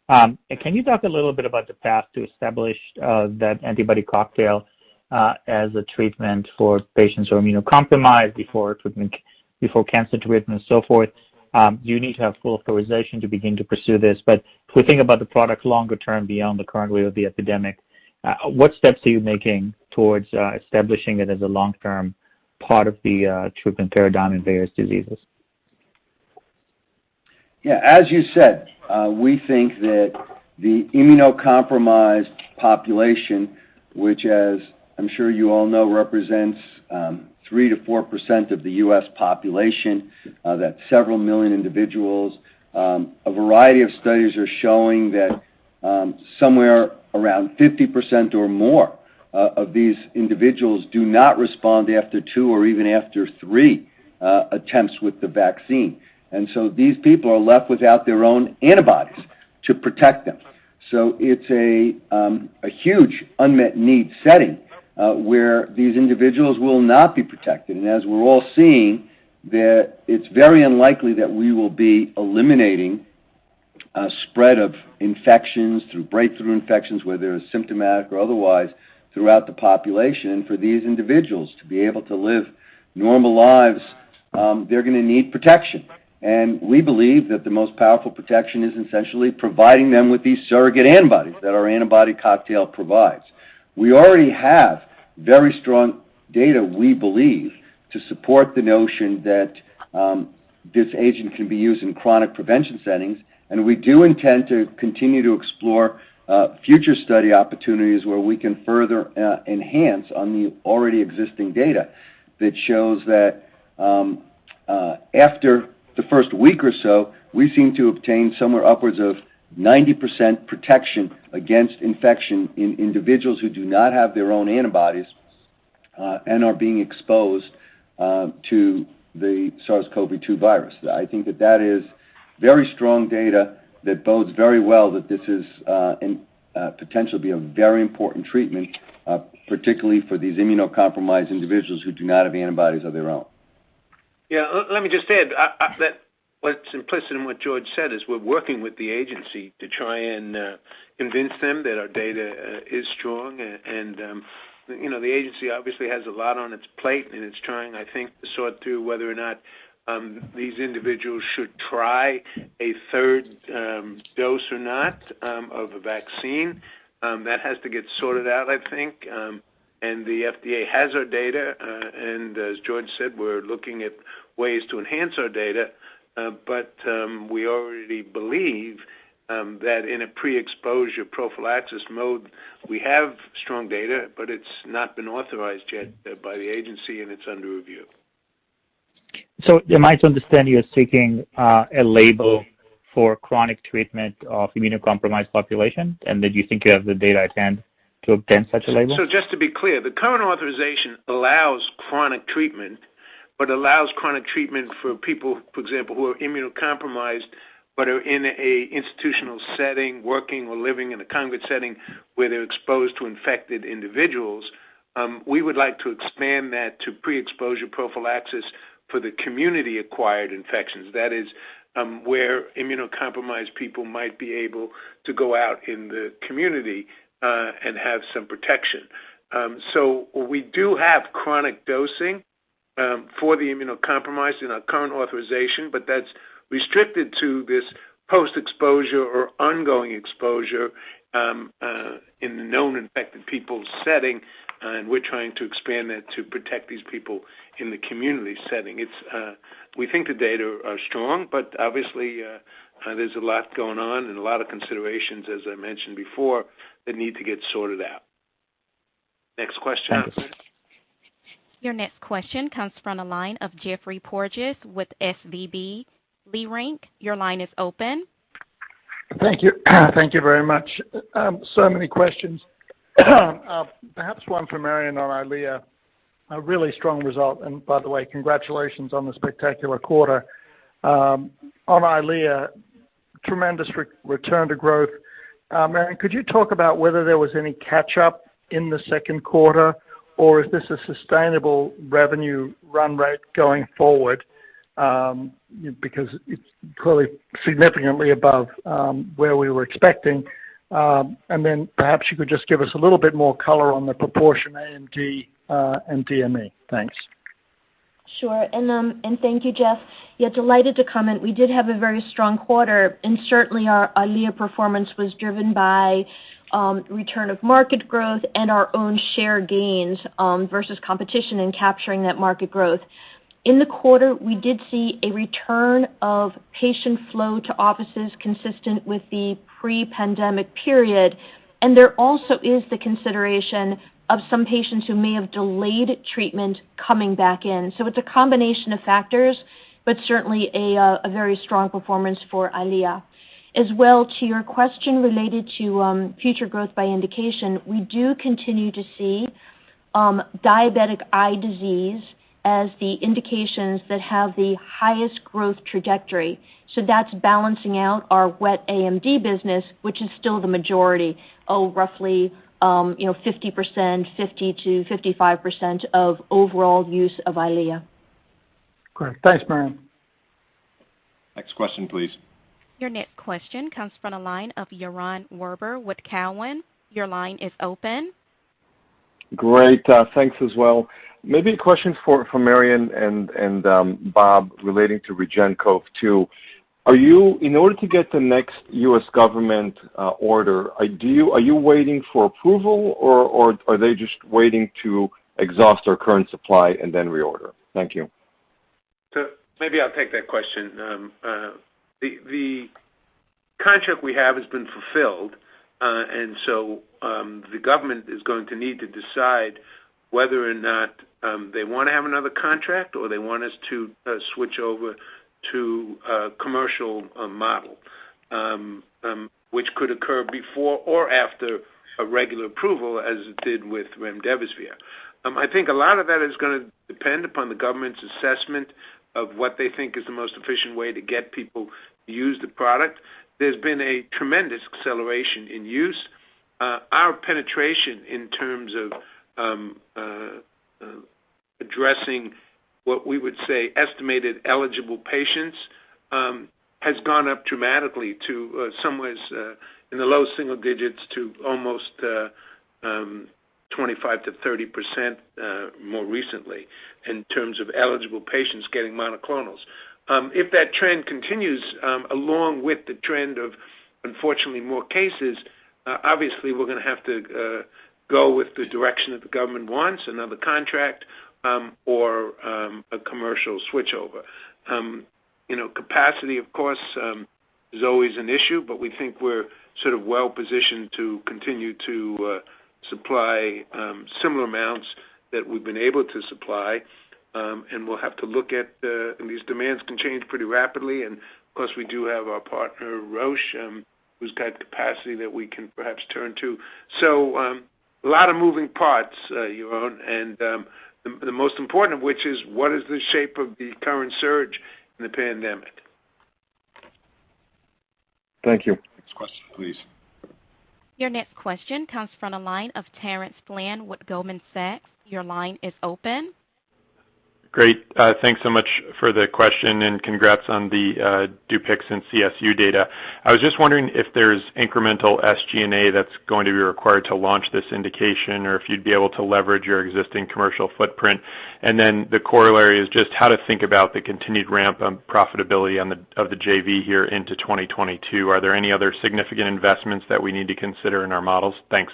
Can you talk a little bit about the path to establish that antibody cocktail as a treatment for patients who are immunocompromised before cancer treatment and so forth? Do you need to have full authorization to begin to pursue this, but if we think about the product longer term beyond the current wave of the epidemic, what steps are you making towards establishing it as a long-term part of the treatment paradigm in various diseases? As you said, we think that the immunocompromised population, which as I'm sure you all know, represents 3%-4% of the U.S. population. That's several million individuals. A variety of studies are showing that somewhere around 50% or more of these individuals do not respond after two or even after three attempts with the vaccine. These people are left without their own antibodies to protect them. It's a huge unmet need setting where these individuals will not be protected. As we're all seeing that it's very unlikely that we will be eliminating a spread of infections through breakthrough infections, whether symptomatic or otherwise, throughout the population. For these individuals to be able to live normal lives, they're going to need protection. We believe that the most powerful protection is essentially providing them with these surrogate antibodies that our antibody cocktail provides. We already have very strong data, we believe, to support the notion that this agent can be used in chronic prevention settings. We do intend to continue to explore future study opportunities where we can further enhance on the already existing data that shows that after the first week or so, we seem to obtain somewhere upwards of 90% protection against infection in individuals who do not have their own antibodies, and are being exposed to the SARS-CoV-2 virus. I think that that is very strong data that bodes very well that this is potentially a very important treatment, particularly for these immunocompromised individuals who do not have antibodies of their own. Yeah, let me just add that what's implicit in what George said is we're working with the agency to try and convince them that our data is strong. The agency obviously has a lot on its plate, and it's trying, I think, to sort through whether or not these individuals should try a third dose or not of a vaccine. That has to get sorted out, I think. The FDA has our data, and as George said, we're looking at ways to enhance our data. We already believe that in a pre-exposure prophylaxis mode, we have strong data, but it's not been authorized yet by the agency, and it's under review. Am I to understand you're seeking a label for chronic treatment of immunocompromised population, and that you think you have the data to obtain such a label? Just to be clear, the current authorization allows chronic treatment, but allows chronic treatment for people, for example, who are immunocompromised but are in a institutional setting, working or living in a congregate setting where they're exposed to infected individuals. We would like to expand that to pre-exposure prophylaxis for the community-acquired infections. That is where immunocompromised people might be able to go out in the community and have some protection. We do have chronic dosing for the immunocompromised in our current authorization, but that's restricted to this post-exposure or ongoing exposure in the known infected people setting. We're trying to expand that to protect these people in the community setting. We think the data are strong, but obviously, there's a lot going on and a lot of considerations, as I mentioned before, that need to get sorted out. Next question. Thanks. Your next question comes from the line of Geoffrey Porges with SVB Leerink. Your line is open. Thank you. Thank you very much. So many questions. Perhaps one for Marion on EYLEA. A really strong result. By the way, congratulations on the spectacular quarter. On EYLEA, tremendous return to growth. Marion, could you talk about whether there was any catch-up in the second quarter, or is this a sustainable revenue run rate going forward? It's clearly significantly above where we were expecting. Then perhaps you could just give us a little bit more color on the proportion AMD and DME. Thanks. Sure. And thank you, Geoff. Yeah, delighted to comment. We did have a very strong quarter, and certainly our EYLEA performance was driven by return of market growth and our own share gains versus competition in capturing that market growth. In the quarter, we did see a return of patient flow to offices consistent with the pre-pandemic period. And there also is the consideration of some patients who may have delayed treatment coming back in. So it's a combination of factors, but certainly a very strong performance for EYLEA. As well, to your question related to future growth by indication, we do continue to see diabetic eye disease as the indications that have the highest growth trajectory. So that's balancing out our wet AMD business, which is still the majority. Roughly 50%, 50%-55% of overall use of EYLEA. Great. Thanks, Marion. Next question, please. Your next question comes from the line of Yaron Werber with Cowen. Your line is open. Great. Thanks as well. Maybe a question for Marion and Bob relating to REGEN-COV too. In order to get the next U.S. government order, are you waiting for approval, or are they just waiting to exhaust our current supply and then reorder? Thank you. Maybe I'll take that question. The contract we have has been fulfilled. The government is going to need to decide whether or not they want to have another contract, or they want us to switch over to a commercial model, which could occur before or after a regular approval, as it did with remdesivir. I think a lot of that is going to depend upon the government's assessment of what they think is the most efficient way to get people to use the product. There's been a tremendous acceleration in use. Our penetration in terms of addressing what we would say estimated eligible patients has gone up dramatically to somewhere in the low single digits to almost 25%-30% more recently in terms of eligible patients getting monoclonals. If that trend continues along with the trend of, unfortunately, more cases, obviously we're going to have to go with the direction that the government wants, another contract or a commercial switchover. Capacity, of course, is always an issue, but we think we're well-positioned to continue to supply similar amounts that we've been able to supply. We'll have to look at these demands can change pretty rapidly, and of course, we do have our partner, Roche, who's got capacity that we can perhaps turn to. A lot of moving parts, Yaron, the most important of which is what is the shape of the current surge in the pandemic? Thank you. Next question, please. Your next question comes from the line of Terence Flynn with Goldman Sachs. Your line is open. Great. Thanks so much for the question and congrats on the DUPIXENT CSU data. I was just wondering if there's incremental SG&A that's going to be required to launch this indication, or if you'd be able to leverage your existing commercial footprint. The corollary is just how to think about the continued ramp on profitability of the JV here into 2022. Are there any other significant investments that we need to consider in our models? Thanks.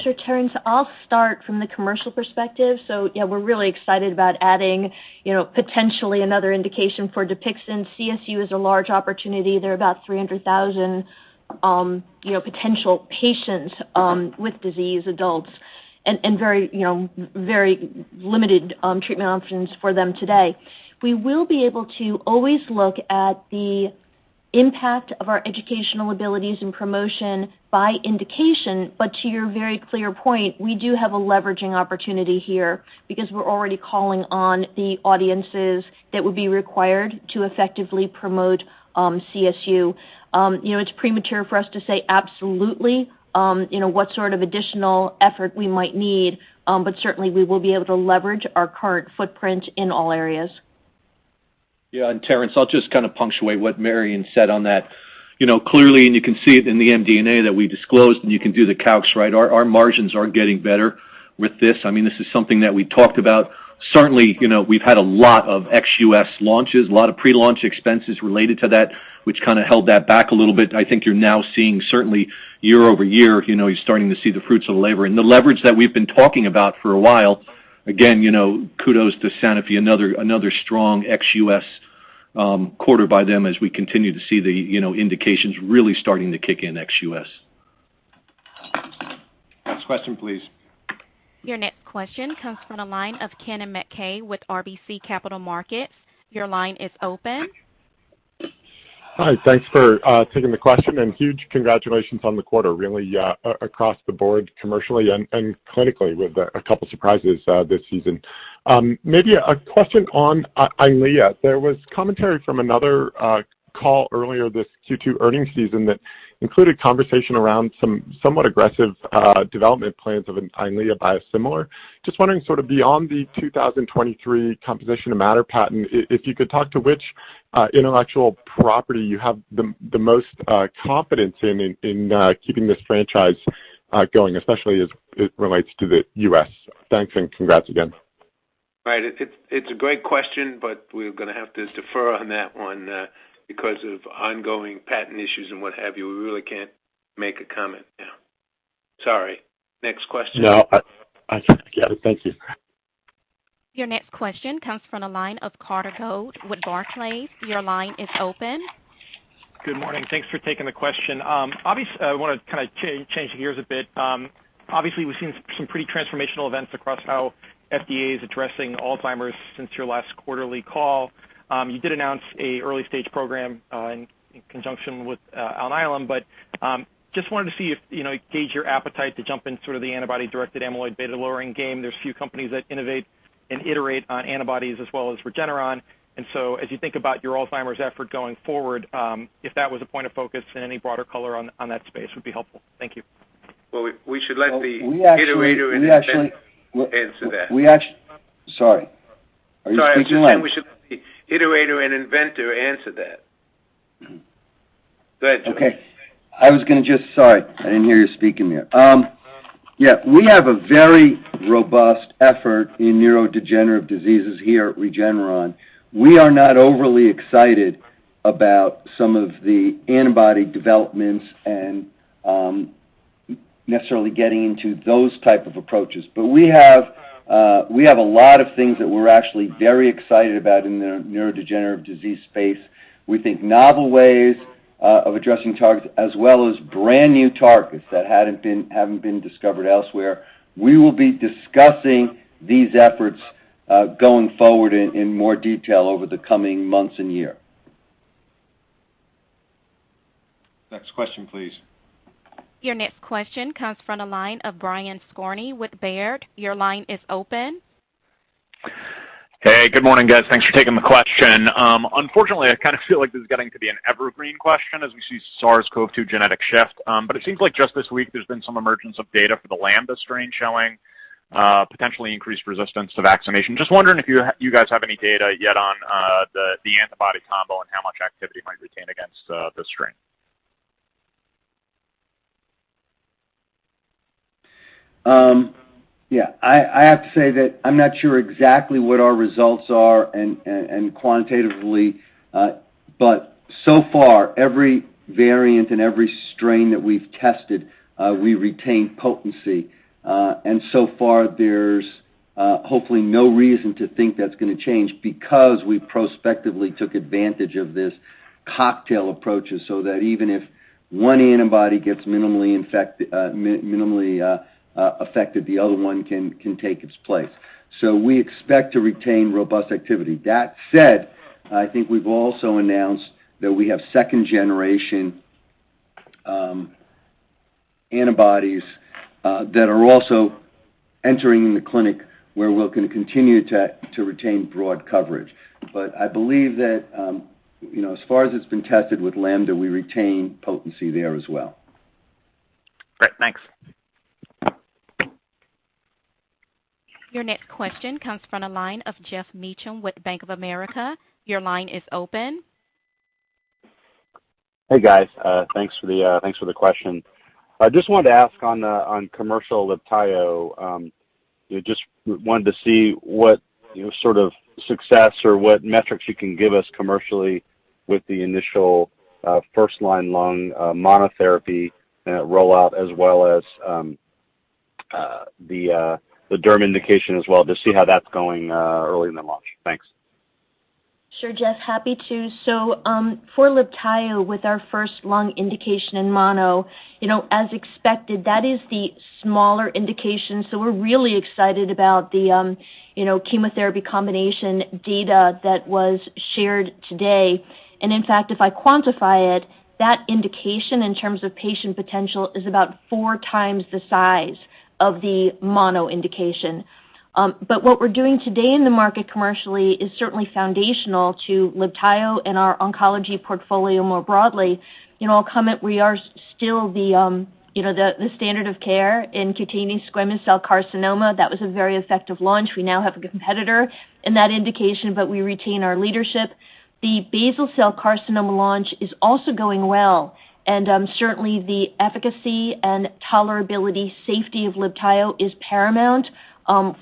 Sure, Terence. I'll start from the commercial perspective. Yeah, we're really excited about adding potentially another indication for DUPIXENT. CSU is a large opportunity. There are about 300,000 potential patients with disease, adults, and very limited treatment options for them today. We will be able to always look at the impact of our educational abilities and promotion by indication. To your very clear point, we do have a leveraging opportunity here because we're already calling on the audiences that would be required to effectively promote CSU. It's premature for us to say absolutely what sort of additional effort we might need. Certainly, we will be able to leverage our current footprint in all areas. Terence, I'll just punctuate what Marion said on that. Clearly, you can see it in the MD&A that we disclosed, and you can do the calcs, our margins are getting better with this. This is something that we talked about. Certainly, we've had a lot of ex-U.S. launches, a lot of pre-launch expenses related to that, which held that back a little bit. I think you're now seeing certainly year-over-year, you're starting to see the fruits of the labor. The leverage that we've been talking about for a while, again, kudos to Sanofi, another strong ex-U.S. quarter by them as we continue to see the indications really starting to kick in ex-U.S. Next question, please. Your next question comes from the line of Brian Abrahams with RBC Capital Markets. Your line is open. Hi. Thanks for taking the question and huge congratulations on the quarter, really across the board commercially and clinically with a couple surprises this season. Maybe a question on EYLEA. There was commentary from another call earlier this Q2 earnings season that included conversation around somewhat aggressive development plans of an EYLEA biosimilar. Just wondering sort of beyond the 2023 composition of matter patent, if you could talk to which intellectual property you have the most confidence in in keeping this franchise going, especially as it relates to the U.S. Thanks. Congrats again. Right. It's a great question, we're going to have to defer on that one because of ongoing patent issues and what have you. We really can't make a comment. Sorry. Next question. No, I get it. Thank you. Your next question comes from the line of Carter Gould with Barclays. Your line is open. Good morning. Thanks for taking the question. I want to kind of change gears a bit. Obviously, we've seen some pretty transformational events across how FDA is addressing Alzheimer's since your last quarterly call. You did announce an early-stage program in conjunction with Alnylam. Just wanted to see if you gauge your appetite to jump in sort of the antibody-directed amyloid beta-lowering game. There's few companies that innovate and iterate on antibodies as well as Regeneron. As you think about your Alzheimer's effort going forward, if that was a point of focus and any broader color on that space would be helpful. Thank you. Well, we should let the iterator and inventor answer that. Sorry. Are you speaking, Len? Sorry. I said we should let the iterator and inventor answer that. Go ahead, George. Sorry, I didn't hear you speaking there. Yeah, we have a very robust effort in neurodegenerative diseases here at Regeneron. We are not overly excited about some of the antibody developments and necessarily getting into those type of approaches. We have a lot of things that we're actually very excited about in the neurodegenerative disease space. We think novel ways of addressing targets as well as brand-new targets that haven't been discovered elsewhere. We will be discussing these efforts going forward in more detail over the coming months and year. Next question, please. Your next question comes from the line of Brian Skorney with Baird. Your line is open. Hey, good morning, guys. Thanks for taking the question. I feel like this is getting to be an evergreen question as we see SARS-CoV-2 genetic shift. It seems like just this week, there's been some emergence of data for the Lambda strain showing potentially increased resistance to vaccination. Just wondering if you guys have any data yet on the antibody combo and how much activity it might retain against this strain. Yeah. I have to say that I'm not sure exactly what our results are and quantitatively, so far, every variant and every strain that we've tested, we retain potency. So far, there's hopefully no reason to think that's going to change because we prospectively took advantage of this cocktail approaches so that even if one antibody gets minimally affected, the other one can take its place. We expect to retain robust activity. That said, I think we've also announced that we have second generation antibodies that are also entering the clinic, where we're going to continue to retain broad coverage. I believe that, as far as it's been tested with Lambda, we retain potency there as well. Great, thanks. Your next question comes from the line of Geoff Meacham with Bank of America. Your line is open. Hey, guys. Thanks for the question. I just wanted to ask on commercial LIBTAYO, just wanted to see what sort of success or what metrics you can give us commercially with the initial first-line lung monotherapy rollout as well as the derm indication as well, just see how that's going early in the launch. Thanks. Sure, Geoff, happy to. For LIBTAYO, with our first lung indication in mono, as expected, that is the smaller indication, so we're really excited about the chemotherapy combination data that was shared today. In fact, if I quantify it, that indication in terms of patient potential is about four times the size of the mono indication. What we're doing today in the market commercially is certainly foundational to LIBTAYO and our oncology portfolio more broadly. I'll comment, we are still the standard of care in cutaneous squamous cell carcinoma. That was a very effective launch. We now have a competitor in that indication, but we retain our leadership. The basal cell carcinoma launch is also going well, and certainly the efficacy and tolerability, safety of LIBTAYO is paramount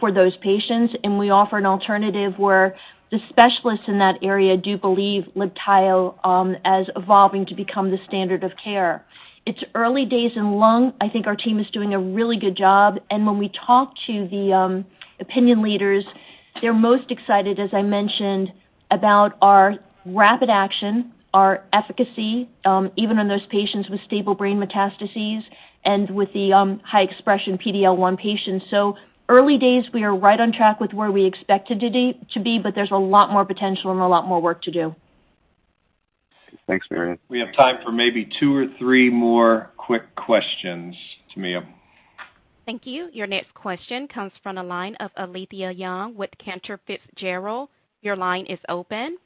for those patients, and we offer an alternative where the specialists in that area do believe LIBTAYO as evolving to become the standard of care. It's early days in lung. I think our team is doing a really good job, and when we talk to the opinion leaders, they're most excited, as I mentioned, about our rapid action, our efficacy, even on those patients with stable brain metastases and with the high-expression PD-L1 patients. Early days, we are right on track with where we expected to be, but there's a lot more potential and a lot more work to do. Thanks, Marion. We have time for maybe two or three more quick questions, Tami. Thank you. Your next question comes from the line of Alethia Young with Cantor Fitzgerald. Your line is open.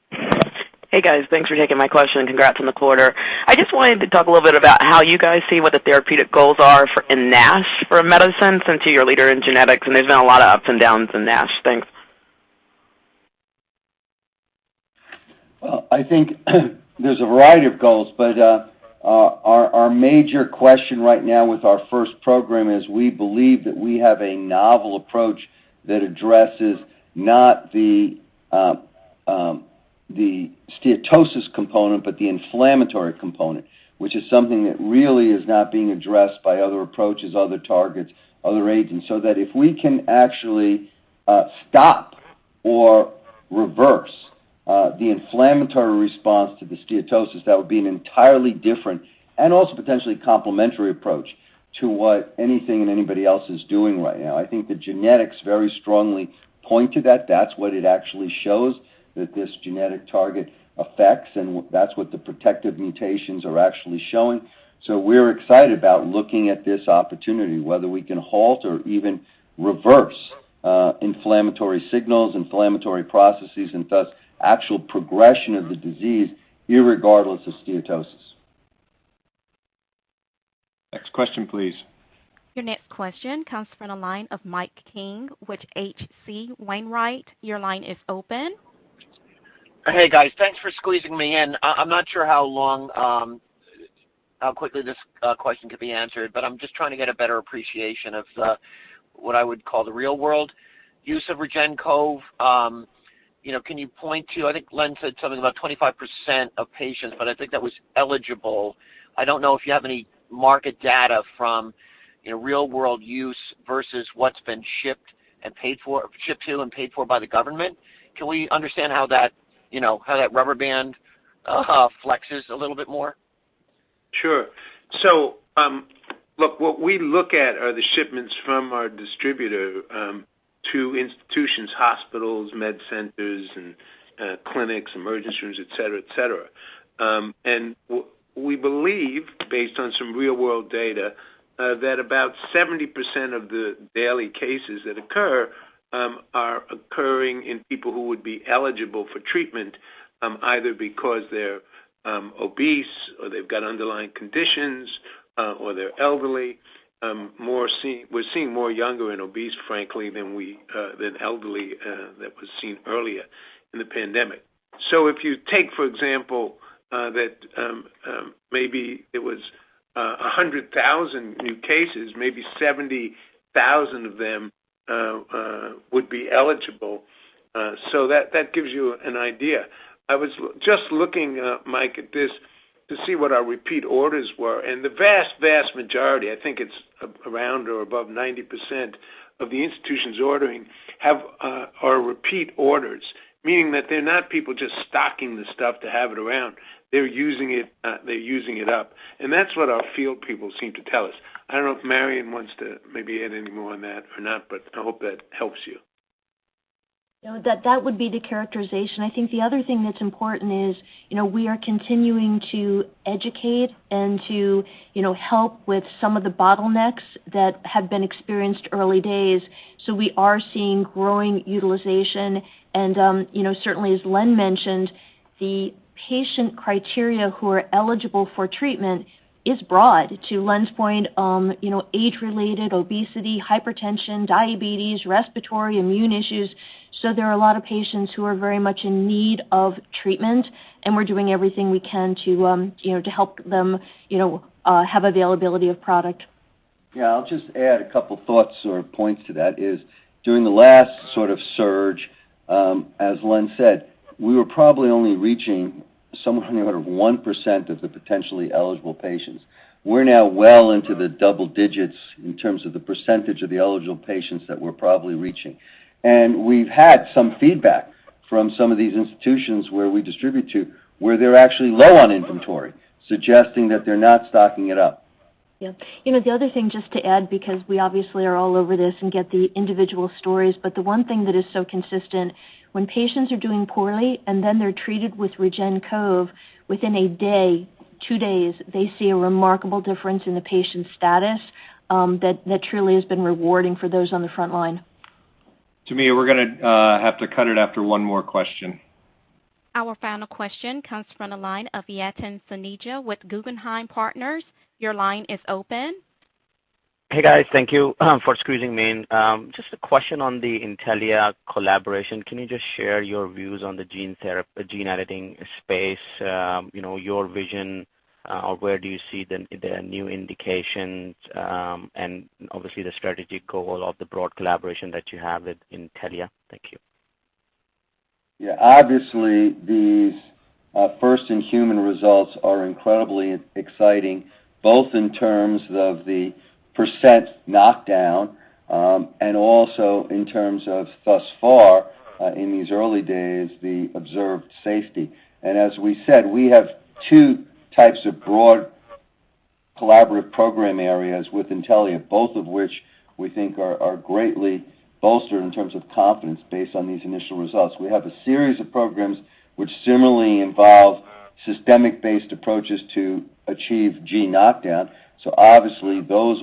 Hey, guys. Thanks for taking my question. Congrats on the quarter. I just wanted to talk a little bit about how you guys see what the therapeutic goals are for NASH for medicines since you're a leader in genetics, and there's been a lot of ups and downs in NASH. Thanks. Well, I think there's a variety of goals. Our major question right now with our first program is we believe that we have a novel approach that addresses not the steatosis component, but the inflammatory component, which is something that really is not being addressed by other approaches, other targets, other agents, so that if we can actually stop or reverse the inflammatory response to the steatosis, that would be an entirely different and also potentially complementary approach to what anything and anybody else is doing right now. I think the genetics very strongly point to that. That's what it actually shows, that this genetic target affects. That's what the protective mutations are actually showing. We're excited about looking at this opportunity, whether we can halt or even reverse inflammatory signals, inflammatory processes, and thus actual progression of the disease irregardless of steatosis. Next question, please. Your next question comes from the line of Mike King with H.C. Wainwright. Hey, guys. Thanks for squeezing me in. I'm not sure how quickly this question could be answered, but I'm just trying to get a better appreciation of what I would call the real-world use of REGEN-COV. Can you point to, I think Len said something about 25% of patients, but I think that was eligible. I don't know if you have any market data from real-world use versus what's been shipped to and paid for by the government. Can we understand how that rubber band flexes a little bit more? Sure. Look, what we look at are the shipments from our distributor to institutions, hospitals, med centers, and clinics, emergency rooms, et cetera. We believe, based on some real-world data, that about 70% of the daily cases that occur are occurring in people who would be eligible for treatment, either because they're obese or they've got underlying conditions, or they're elderly. We're seeing more younger and obese, frankly, than elderly, that was seen earlier in the pandemic. If you take, for example, that maybe it was 100,000 new cases, maybe 70,000 of them would be eligible. That gives you an idea. I was just looking, Mike, at this to see what our repeat orders were, and the vast majority, I think it's around or above 90% of the institutions ordering, are repeat orders, meaning that they're not people just stocking the stuff to have it around. They're using it up. That's what our field people seem to tell us. I don't know if Marion wants to maybe add any more on that or not, but I hope that helps you. No, that would be the characterization. I think the other thing that's important is, we are continuing to educate and to help with some of the bottlenecks that have been experienced early days. We are seeing growing utilization and, certainly as Len mentioned, the patient criteria who are eligible for treatment is broad, to Len's point. Age-related obesity, hypertension, diabetes, respiratory, immune issues. There are a lot of patients who are very much in need of treatment, and we're doing everything we can to help them have availability of product. Yeah, I'll just add a couple thoughts or points to that is, during the last sort of surge, as Len said, we were probably only reaching somewhere on the order of 1% of the potentially eligible patients. We're now well into the double digits in terms of the percentage of the eligible patients that we're probably reaching. We've had some feedback from some of these institutions where we distribute to, where they're actually low on inventory, suggesting that they're not stocking it up. The other thing, just to add, because we obviously are all over this and get the individual stories, but the one thing that is so consistent, when patients are doing poorly and then they're treated with REGEN-COV, within a day, two days, they see a remarkable difference in the patient's status that truly has been rewarding for those on the frontline. Tamia, we're going to have to cut it after one more question. Our final question comes from the line of Yatin Suneja with Guggenheim Partners. Your line is open. Hey, guys. Thank you for squeezing me in. Just a question on the Intellia collaboration. Can you just share your views on the gene editing space, your vision, or where do you see the new indications, and obviously the strategic goal of the broad collaboration that you have with Intellia? Thank you. Yeah, obviously these first-in-human results are incredibly exciting, both in terms of the % knockdown, and also in terms of thus far, in these early days, the observed safety. As we said, we have two types of broad collaborative program areas with Intellia, both of which we think are greatly bolstered in terms of confidence based on these initial results. We have a series of programs which similarly involve systemic-based approaches to achieve gene knockdown. Obviously those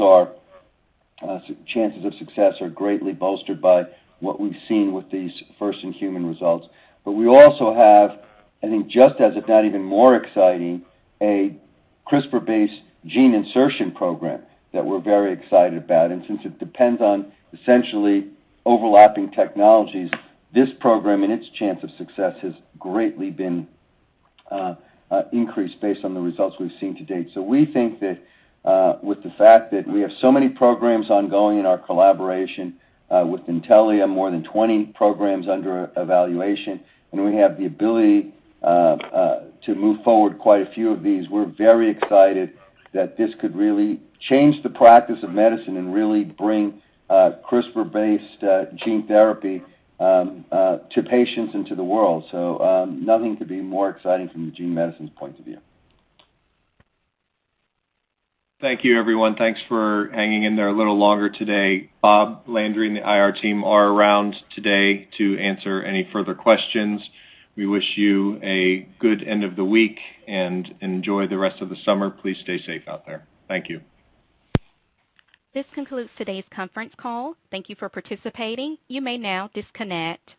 chances of success are greatly bolstered by what we've seen with these first-in-human results. We also have, I think just as if not even more exciting, a CRISPR-based gene insertion program that we're very excited about. Since it depends on essentially overlapping technologies, this program and its chance of success has greatly been increased based on the results we've seen to date. We think that with the fact that we have so many programs ongoing in our collaboration with Intellia, more than 20 programs under evaluation, and we have the ability to move forward quite a few of these. We're very excited that this could really change the practice of medicine and really bring CRISPR-based gene therapy to patients and to the world. Nothing could be more exciting from the gene medicines point of view. Thank you everyone. Thanks for hanging in there a little longer today. Bob Landry and the IR team are around today to answer any further questions. We wish you a good end of the week, and enjoy the rest of the summer. Please stay safe out there. Thank you. This concludes today's conference call. Thank you for participating. You may now disconnect.